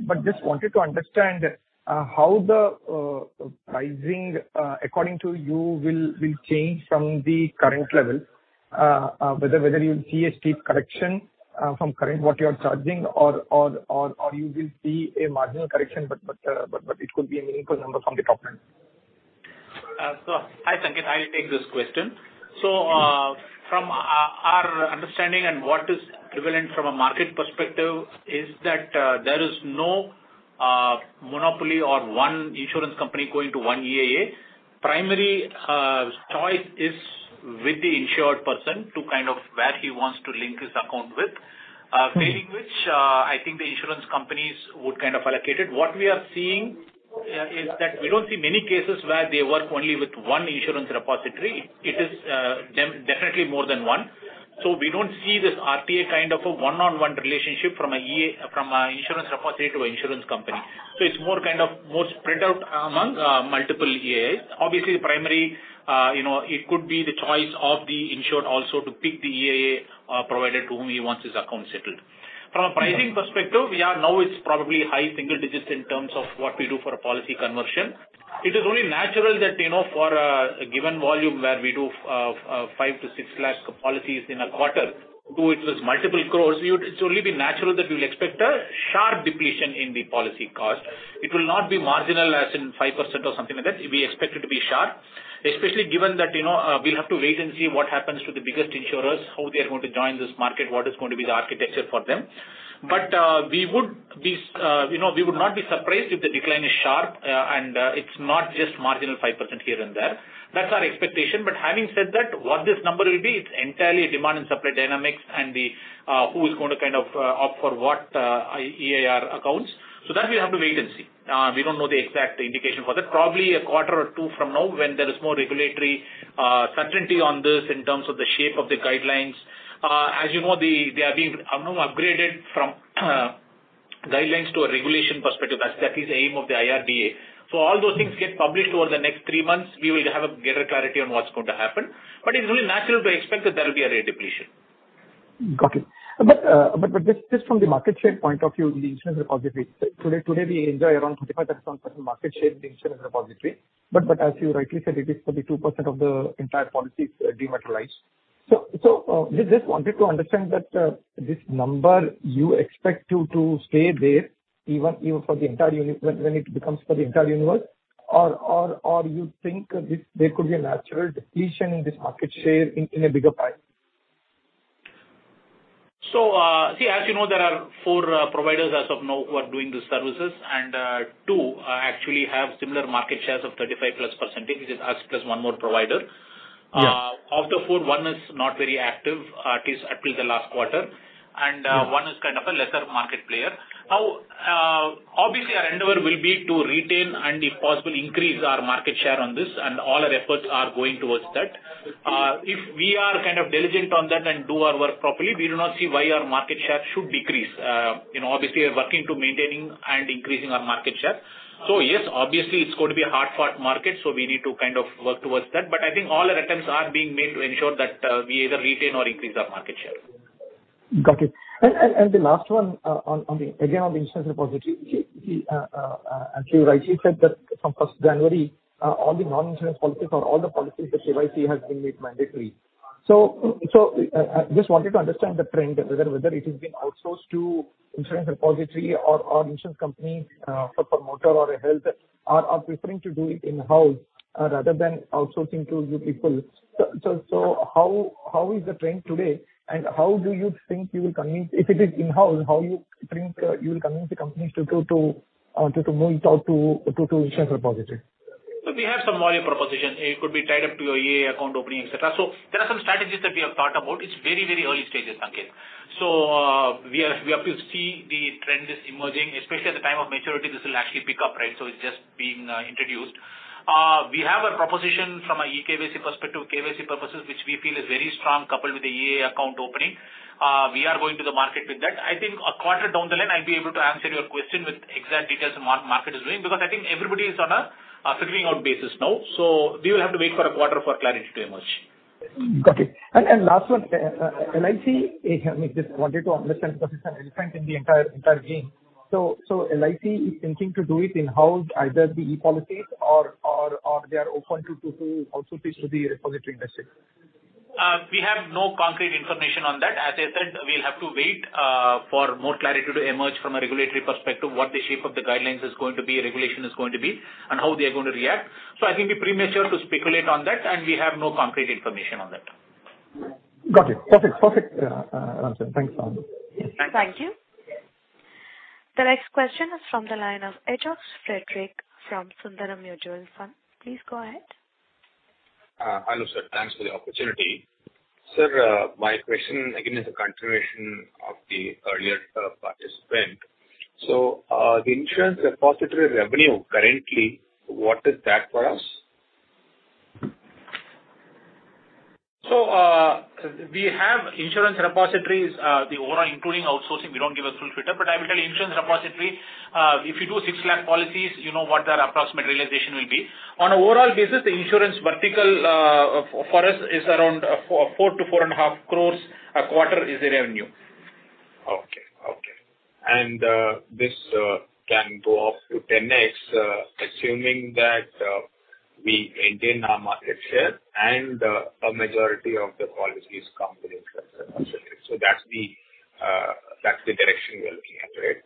but just wanted to understand how the pricing according to you will change from the current level, whether you see a steep correction from current what you are charging or you will see a marginal correction, but it could be a meaningful number from the top end? Hi, Sanket. I'll take this question. From our understanding and what is prevalent from a market perspective is that there is no monopoly or one insurance company going to one IR. Primary choice is with the insured person to kind of where he wants to link his account with. Bearing which, I think the insurance companies would kind of allocate it. What we are seeing is that we don't see many cases where they work only with one insurance repository. It is definitely more than one. We don't see this RTA kind of a one-on-one relationship from a insurance repository to a insurance company. It's more kind of more spread out among multiple EAAs. The primary, you know, it could be the choice of the insured also to pick the IR provider to whom he wants his account settled. From a pricing perspective, we are now it's probably high single digits in terms of what we do for a policy conversion. It is only natural that, you know, for a given volume where we do 5-6 lakh policies in a quarter, do it with multiple crores, it's only been natural that we'll expect a sharp depletion in the policy cost. It will not be marginal as in 5% or something like that. We expect it to be sharp, especially given that, you know, we'll have to wait and see what happens to the biggest insurers, how they are going to join this market, what is going to be the architecture for them. We would not be surprised if the decline is sharp, and it's not just marginal 5% here and there. That's our expectation. Having said that, what this number will be, it's entirely demand and supply dynamics and the who is gonna kind of opt for what IR accounts. That we have to wait and see. We don't know the exact indication for that. Probably a quarter or two from now when there is more regulatory certainty on this in terms of the shape of the guidelines. As you know, they are being upgraded from guidelines to a regulation perspective as that is aim of the IRDAI. All those things get published over the next three months. We will have a greater clarity on what's going to happen. It's really natural to expect that there will be a rate depletion. Got it. Just from the market share point of view in the Insurance Repository, today we enjoy around 35%-40% market share in the Insurance Repository. As you rightly said, it is 32% of the entire policies, dematerialized. We just wanted to understand that this number you expect to stay there even for the entire when it becomes for the entire universe or you think there could be a natural depletion in this market share in a bigger pie? See, as you know, there are four providers as of now who are doing these services and, two, actually have similar market shares of 35%+. It is us plus one more provider. Yes. Of the four, one is not very active, at least until the last quarter. Yeah. One is kind of a lesser market player. Now, obviously our endeavor will be to retain and if possible, increase our market share on this and all our efforts are going towards that. If we are kind of diligent on that and do our work properly, we do not see why our market share should decrease. You know, obviously we're working to maintaining and increasing our market share. Yes, obviously it's going to be a hard fought market, so we need to kind of work towards that. I think all our attempts are being made to ensure that we either retain or increase our market share. Got it. The last one, on the again, on the Insurance Repository. You actually rightly said that from first January, all the non-insurance policies or all the policies that KYC has been made mandatory. Just wanted to understand the trend, whether it is being outsourced to Insurance Repository or insurance companies, for promoter or a health are preferring to do it in-house, rather than outsourcing to you people. How is the trend today, and how do you think you will convince if it is in-house, how you think, you will convince the companies to go to move it out to Insurance Repository? We have some value propositions. It could be tied up to your AA account opening, et cetera. There are some strategies that we have thought about. It's very, very early stages, Sanket. We are yet to see the trends emerging, especially at the time of maturity, this will actually pick up, right? It's just being introduced. We have a proposition from a eKYC perspective, KYC purposes, which we feel is very strong coupled with the AA account opening. We are going to the market with that. I think a quarter down the line, I'll be able to answer your question with exact details on what market is doing because I think everybody is on a figuring out basis now. We will have to wait for a quarter for clarity to emerge. Got it. Last one. LIC, just wanted to understand because it's an elephant in the entire game. LIC is thinking to do it in-house, either the e-policies or they are open to outsource it to the repository message? We have no concrete information on that. As I said, we'll have to wait for more clarity to emerge from a regulatory perspective, what the shape of the guidelines is going to be, regulation is going to be, and how they are gonna react. I think be premature to speculate on that, and we have no concrete information on that. Got it. Perfect answer. Thanks, Anuj. Yes. Thanks. Thank you. The next question is from the line of H. S. Frederick from Sundaram Mutual Fund. Please go ahead. Hello, sir. Thanks for the opportunity. Sir, my question again is a continuation of the earlier participant. The Insurance Repository revenue currently, what is that for us? We have Insurance Repositories, the overall including outsourcing, we don't give a full filter. I will tell you Insurance Repository, if you do 6 lakh policies, you know what their approximate realization will be. On overall basis, the insurance vertical, for us is around 4-4.5 crores a quarter is the revenue. Okay. Okay. This can go up to 10x, assuming that we maintain our market share and a majority of the policies come with Insurance Repository. That's the that's the direction we are looking at, right?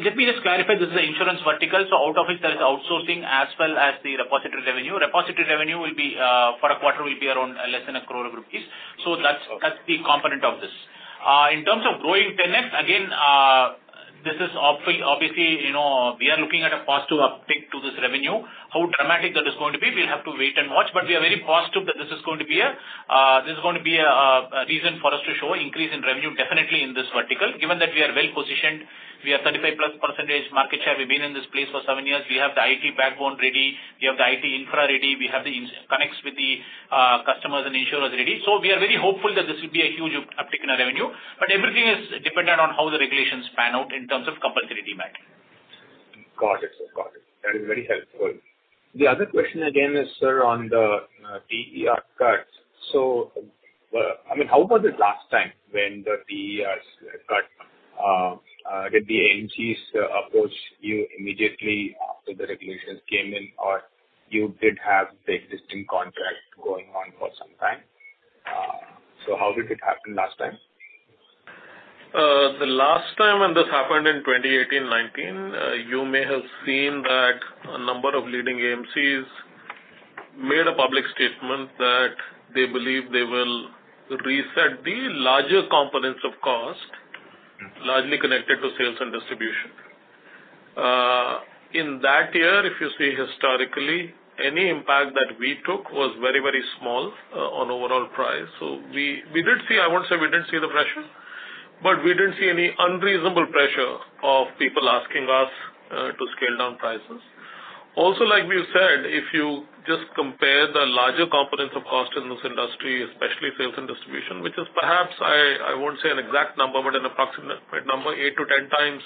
Let me just clarify. This is the insurance vertical. Out of it, there is outsourcing as well as the repository revenue. Repository revenue will be for a quarter will be around less than 1 crore rupees. Okay. That's the component of this. In terms of growing 10x, again, obviously, you know, we are looking at a positive uptick to this revenue. How dramatic that is going to be, we'll have to wait and watch. We are very positive that this is going to be a reason for us to show increase in revenue definitely in this vertical. Given that we are well positioned, we have 35%+ market share. We've been in this place for seven years. We have the IT backbone ready. We have the IT infra ready. We have the connects with the customers and insurers ready. We are very hopeful that this will be a huge uptick in our revenue. Everything is dependent on how the regulations pan out in terms of compulsorily matching. Got it, sir. Got it. That is very helpful. The other question again is, sir, on the TER cuts. I mean, how was it last time when the TERs cut? Did the AMCs approach you immediately after the regulations came in, or you did have the existing contract going on for some time? How did it happen last time? The last time when this happened in 2018, 2019, you may have seen that a number of leading AMCs made a public statement that they believe they will reset the larger components of cost. Mm-hmm. largely connected to sales and distribution. In that year, if you see historically, any impact that we took was very, very small on overall price. I won't say we didn't see the pressure, but we didn't see any unreasonable pressure of people asking us to scale down prices. Also, like we've said, if you just compare the larger components of cost in this industry, especially sales and distribution, which is perhaps, I won't say an exact number, but an approximate number, 8x-10x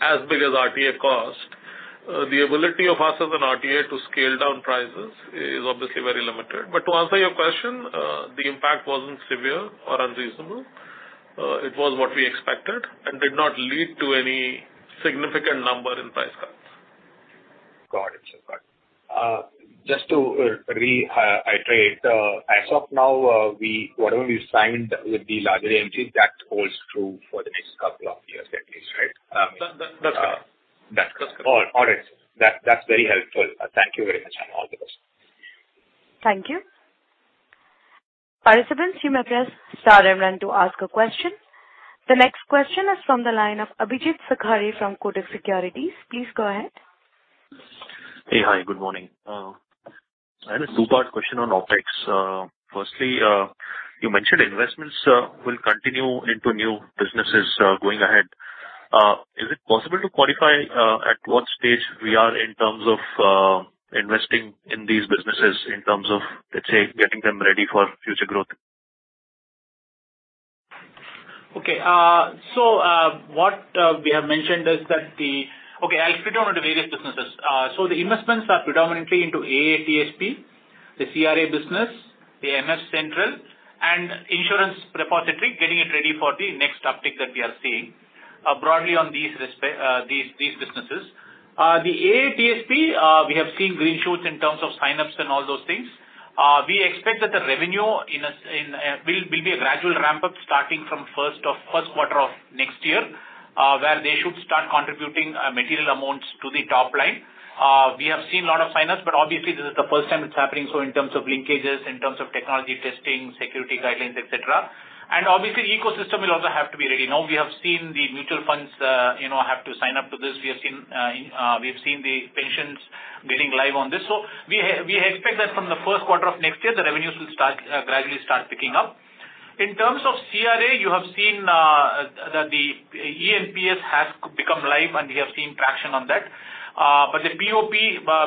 as big as RTA cost. The ability of us as an RTA to scale down prices is obviously very limited. To answer your question, the impact wasn't severe or unreasonable. It was what we expected and did not lead to any significant number in price cuts. Got it, sir. Got it. Just to iterate, as of now, whatever we signed with the larger AMCs, that holds true for the next couple of years at least, right? That's correct. That's correct. All right, sir. That's very helpful. Thank you very much on all the questions. Thank you. Participants, you may press star and one to ask a question. The next question is from the line of Abhijeet Sakhare from Kotak Securities. Please go ahead. Hey. Hi, good morning. I had a two-part question on OpEx. Firstly, you mentioned investments, will continue into new businesses, going ahead. Is it possible to qualify at what stage we are in terms of investing in these businesses in terms of, let's say, getting them ready for future growth? Okay. I'll split down into various businesses. The investments are predominantly into AA TSP, the CRA business, MF Central, and insurance repository, getting it ready for the next uptick that we are seeing broadly on these businesses. The AA TSP, we have seen green shoots in terms of sign-ups and all those things. We expect that the revenue will be a gradual ramp-up starting from first quarter of next year, where they should start contributing material amounts to the top line. We have seen a lot of sign-ups, but obviously this is the first time it's happening, so in terms of linkages, in terms of technology testing, security guidelines, et cetera. Obviously, the ecosystem will also have to be ready. Now, we have seen the mutual funds, you know, have to sign up to this. We have seen the pensions getting live on this. We expect that from the first quarter of next year, the revenues will gradually start picking up. In terms of CRA, you have seen that the eNPS has become live, and we have seen traction on that. But the POP,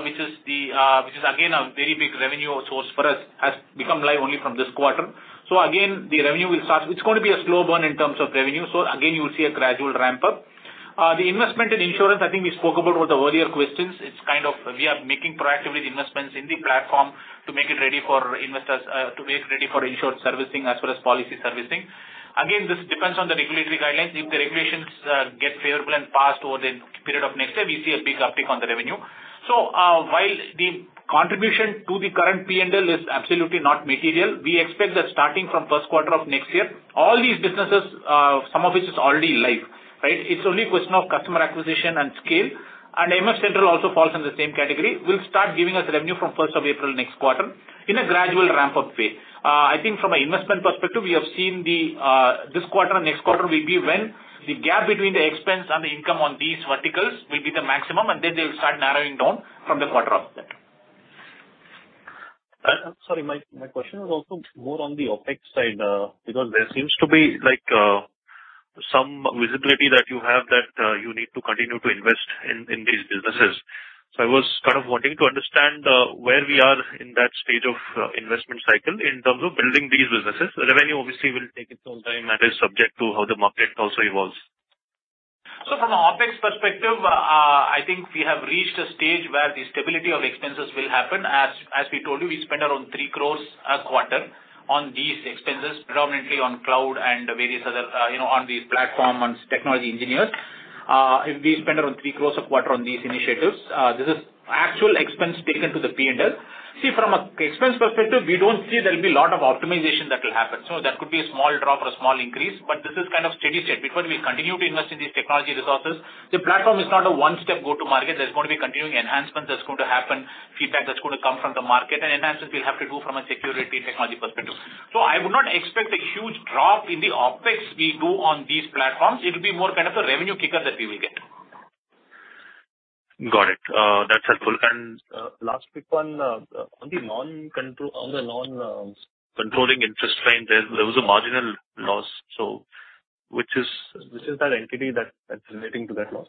which is again a very big revenue source for us, has become live only from this quarter. Again, it's going to be a slow burn in terms of revenue. Again, you'll see a gradual ramp-up. The investment in insurance, I think we spoke about with the earlier questions. It's kind of we are making proactively the investments in the platform to make it ready for investors, to make it ready for insured servicing as well as policy servicing. This depends on the regulatory guidelines. If the regulations get favorable and passed over the period of next year, we see a big uptick on the revenue. While the contribution to the current P&L is absolutely not material, we expect that starting from first quarter of next year, all these businesses, some of which is already live, right? It's only a question of customer acquisition and scale. MFCentral also falls in the same category, will start giving us revenue from first of April next quarter in a gradual ramp-up way. I think from an investment perspective, we have seen the this quarter and next quarter will be when the gap between the expense and the income on these verticals will be the maximum, and then they'll start narrowing down from the quarter after that. Sorry, my question was also more on the OpEx side, because there seems to be, like, some visibility that you have that, you need to continue to invest in these businesses. I was kind of wanting to understand, where we are in that stage of investment cycle in terms of building these businesses. The revenue obviously will take its own time and is subject to how the market also evolves. From an OpEx perspective, I think we have reached a stage where the stability of expenses will happen. As we told you, we spend around 3 crores a quarter on these expenses, predominantly on cloud and various other, you know, on the platform and technology engineers. If we spend around 3 crores a quarter on these initiatives, this is actual expense taken to the P&L. From an expense perspective, we don't see there'll be a lot of optimization that will happen. There could be a small drop or a small increase, but this is kind of steady state. We continue to invest in these technology resources, the platform is not a one-step go-to-market. There's gonna be continuing enhancements that's going to happen, feedback that's gonna come from the market, and enhancements we'll have to do from a security technology perspective. I would not expect a huge drop in the OpEx we do on these platforms. It'll be more kind of a revenue kicker that we will get. Got it. That's helpful. Last quick one. On the non, controlling interest line, there was a marginal loss, so which is that entity that's relating to that loss?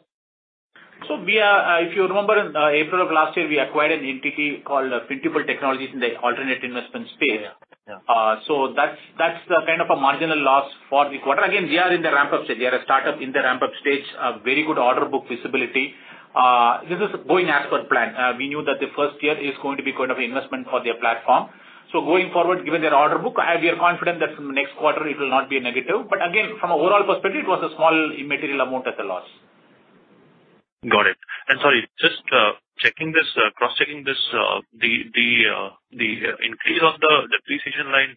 We are, if you remember in April of last year, we acquired an entity called Fintuple Technologies in the alternate investment space. Yeah. Yeah. That's the kind of a marginal loss for the quarter. Again, we are in the ramp-up stage. We are a startup in the ramp-up stage. A very good order book visibility. This is going as per plan. We knew that the first year is going to be kind of investment for their platform. Going forward, given their order book, we are confident that from next quarter it will not be a negative. Again, from an overall perspective, it was a small immaterial amount as a loss. Got it. Sorry, just checking this, cross-checking this, the increase of the depreciation line,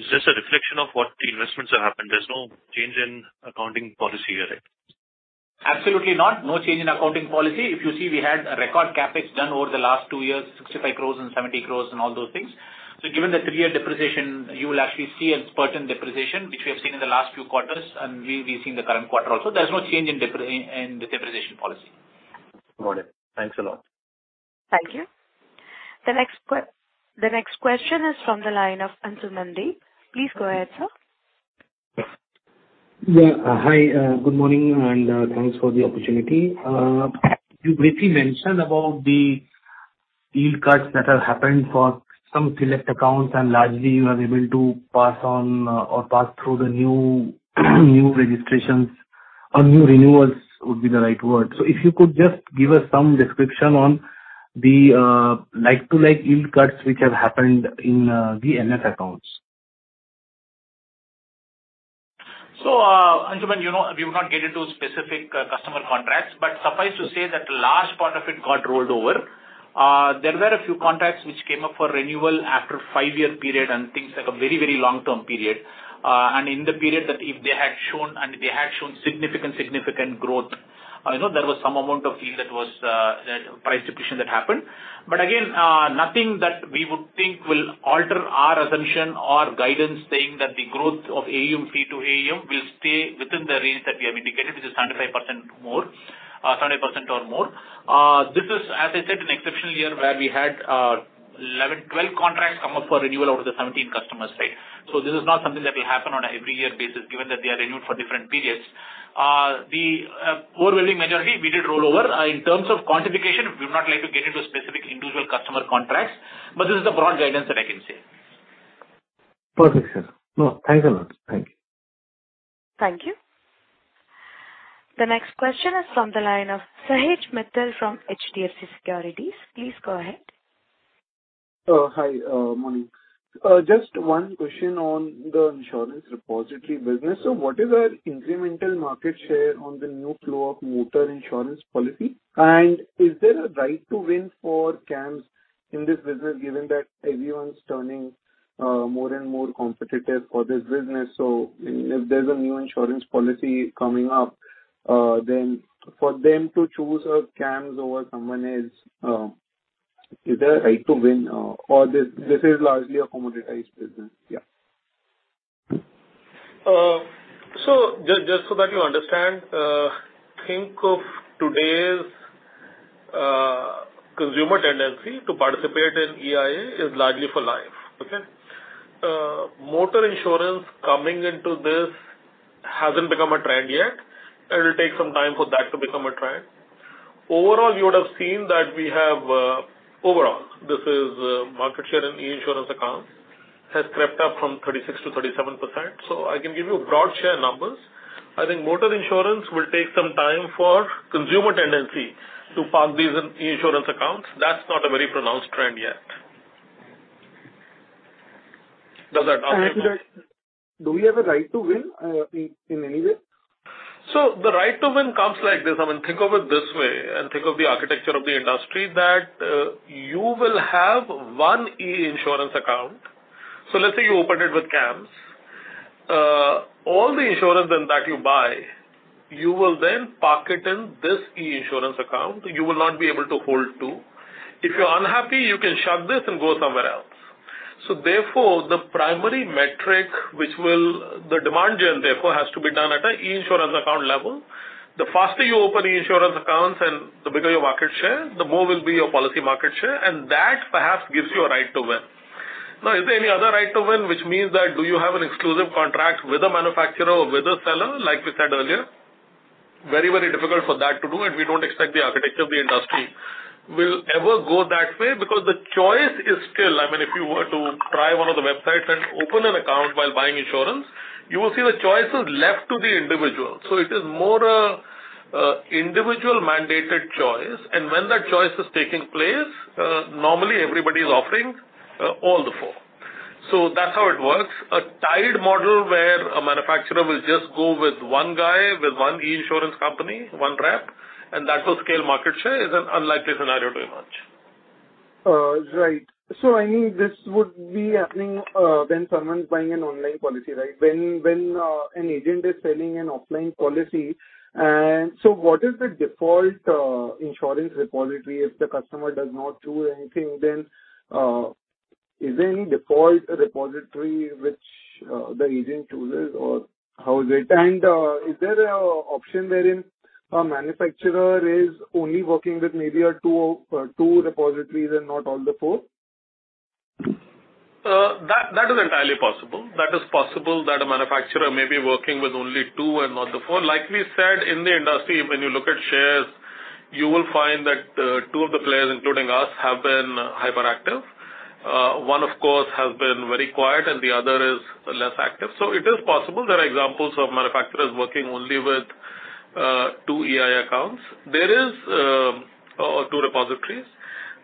is this a reflection of what the investments have happened? There's no change in accounting policy here, right? Absolutely not. No change in accounting policy. If you see, we had a record CapEx done over the last two years, 65 crore and 70 crore and all those things. Given the three-year depreciation, you will actually see a spurt in depreciation, which we have seen in the last few quarters, and we've seen the current quarter also. There's no change in the depreciation policy. Got it. Thanks a lot. Thank you. The next question is from the line of Ansuman Deb. Please go ahead, sir. Yeah. Hi, good morning, and thanks for the opportunity. You briefly mentioned about the yield cuts that have happened for some select accounts, and largely you are able to pass on or pass through the new registrations or new renewals would be the right word. If you could just give us some description on the like-to-like yield cuts which have happened in the NFO accounts. Ansuman, you know, we will not get into specific customer contracts, but suffice to say that a large part of it got rolled over. There were a few contracts which came up for renewal after 5-year period and things like a very, very long-term period. In the period that if they had shown, and they had shown significant growth, you know, there was some amount of yield that was that price depletion that happened. Again, nothing that we would think will alter our assumption or guidance saying that the growth of AUM fee to AUM will stay within the range that we have indicated, which is 75% more, 70% or more. This is, as I said, an exceptional year where we had 11, 12 contracts come up for renewal out of the 17 customers, right? This is not something that will happen on a every year basis given that they are renewed for different periods. The overwhelming majority we did roll over. In terms of quantification, we would not like to get into specific individual customer contracts, but this is the broad guidance that I can give. Perfect, sir. No, thanks a lot. Thank you. Thank you. The next question is from the line of Sahej Mittal from HDFC Securities. Please go ahead. Hi. Morning. Just 1 question on the Insurance Repository business. What is our incremental market share on the new flow of motor insurance policy? Is there a right to win for CAMS in this business, given that everyone's turning more and more competitive for this business? If there's a new insurance policy coming up, then for them to choose CAMS over someone else, is there a right to win? This is largely a commoditized business? Yeah. just so that you understand, think of today's consumer tendency to participate in EIA is largely for life. Okay? Motor insurance coming into this hasn't become a trend yet. It'll take some time for that to become a trend. Overall, you would have seen that we have overall, this is market share in e-insurance account has crept up from 36%-37%. I can give you broad share numbers. I think motor insurance will take some time for consumer tendency to park these in e-insurance accounts. That's not a very pronounced trend yet. Does that answer your question? Do we have a right to win, in any way? The right to win comes like this. I mean, think of it this way, and think of the architecture of the industry that you will have 1 e-Insurance Account. Let's say you opened it with CAMS. All the insurance then that you buy, you will then park it in this e-Insurance Account. You will not be able to hold two. If you're unhappy, you can shut this and go somewhere else. Therefore, the primary metric the demand gen, therefore, has to be done at an e-Insurance Account level. The faster you open e-Insurance Accounts and the bigger your market share, the more will be your policy market share, and that perhaps gives you a right to win. Is there any other right to win, which means that do you have an exclusive contract with a manufacturer or with a seller, like we said earlier? Very difficult for that to do, we don't expect the architecture of the industry will ever go that way because the choice is still. I mean, if you were to try one of the websites and open an account while buying insurance, you will see the choice is left to the individual. It is more a individual mandated choice. When that choice is taking place, normally everybody is offering all the four. That's how it works. A tied model where a manufacturer will just go with one guy, with one e-insurance company, one rep, that's what scale market share is an unlikely scenario to emerge. Right. I mean, this would be happening when someone's buying an online policy, right? When an agent is selling an offline policy. What is the default insurance repository? If the customer does not do anything, is there any default repository which the agent chooses or how is it? Is there an option wherein a manufacturer is only working with maybe two repositories and not all the four? That is entirely possible. That is possible that a manufacturer may be working with only two and not the four. Like we said, in the industry, when you look at shares, you will find that two of the players, including us, have been hyperactive. One, of course, has been very quiet and the other is less active. It is possible. There are examples of manufacturers working only with two IR accounts. There is or two repositories.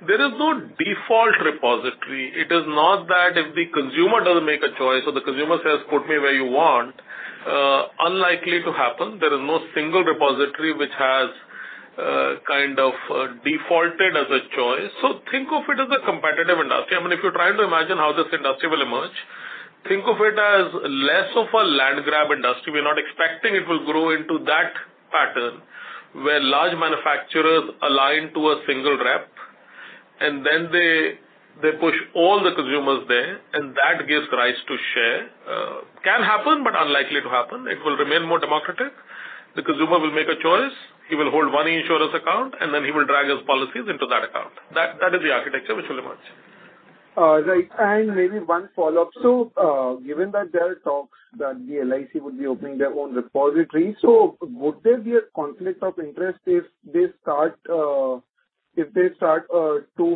There is no default repository. It is not that if the consumer doesn't make a choice or the consumer says, "Put me where you want," unlikely to happen. There is no single repository which has kind of defaulted as a choice. Think of it as a competitive industry. I mean, if you're trying to imagine how this industry will emerge, think of it as less of a land grab industry. We're not expecting it will grow into that pattern where large manufacturers align to a single rep and then they push all the consumers there and that gives rise to share. can happen, but unlikely to happen. It will remain more democratic. The consumer will make a choice. He will hold one e-insurance account, and then he will drag his policies into that account. That is the architecture which will emerge. Right. Maybe one follow-up. Given that there are talks that the LIC would be opening their own repository, would there be a conflict of interest if they start to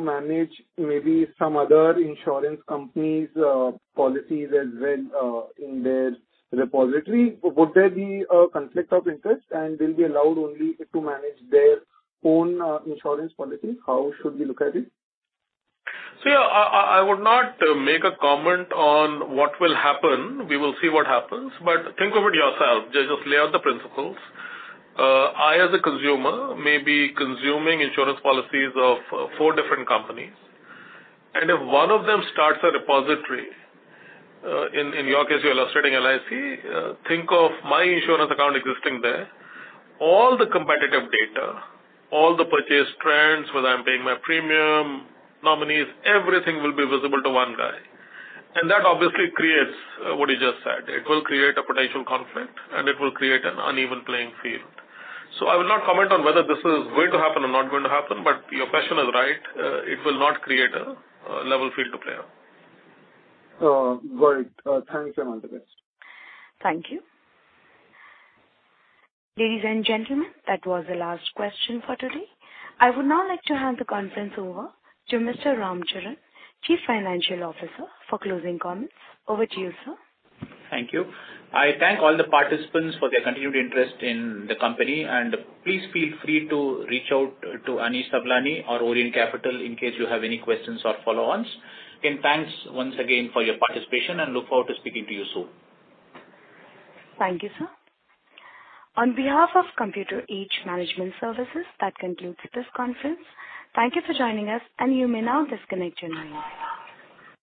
manage maybe some other insurance companies', policies as well, in their repository? Would there be a conflict of interest, and they'll be allowed only to manage their own, insurance policy? How should we look at it? I would not make a comment on what will happen. We will see what happens. Think of it yourself. Just lay out the principles. I as a consumer may be consuming insurance policies of four different companies, and if one of them starts a repository, in your case, you're illustrating LIC, think of my insurance account existing there. All the competitive data, all the purchase trends, whether I'm paying my premium, nominees, everything will be visible to one guy. That obviously creates what you just said. It will create a potential conflict, and it will create an uneven playing field. I will not comment on whether this is going to happen or not going to happen. Your question is right. It will not create a level field to play on. Got it. Thanks a lot. The best. Thank you. Ladies and gentlemen, that was the last question for today. I would now like to hand the conference over to Mr. Ram Charan, Chief Financial Officer, for closing comments. Over to you, sir. Thank you. I thank all the participants for their continued interest in the company. Please feel free to reach out to Anish Sawlani or Orient Capital in case you have any questions or follow-ons. Again, thanks once again for your participation and look forward to speaking to you soon. Thank you, sir. On behalf of Computer Age Management Services, that concludes this conference. Thank you for joining us. You may now disconnect your lines.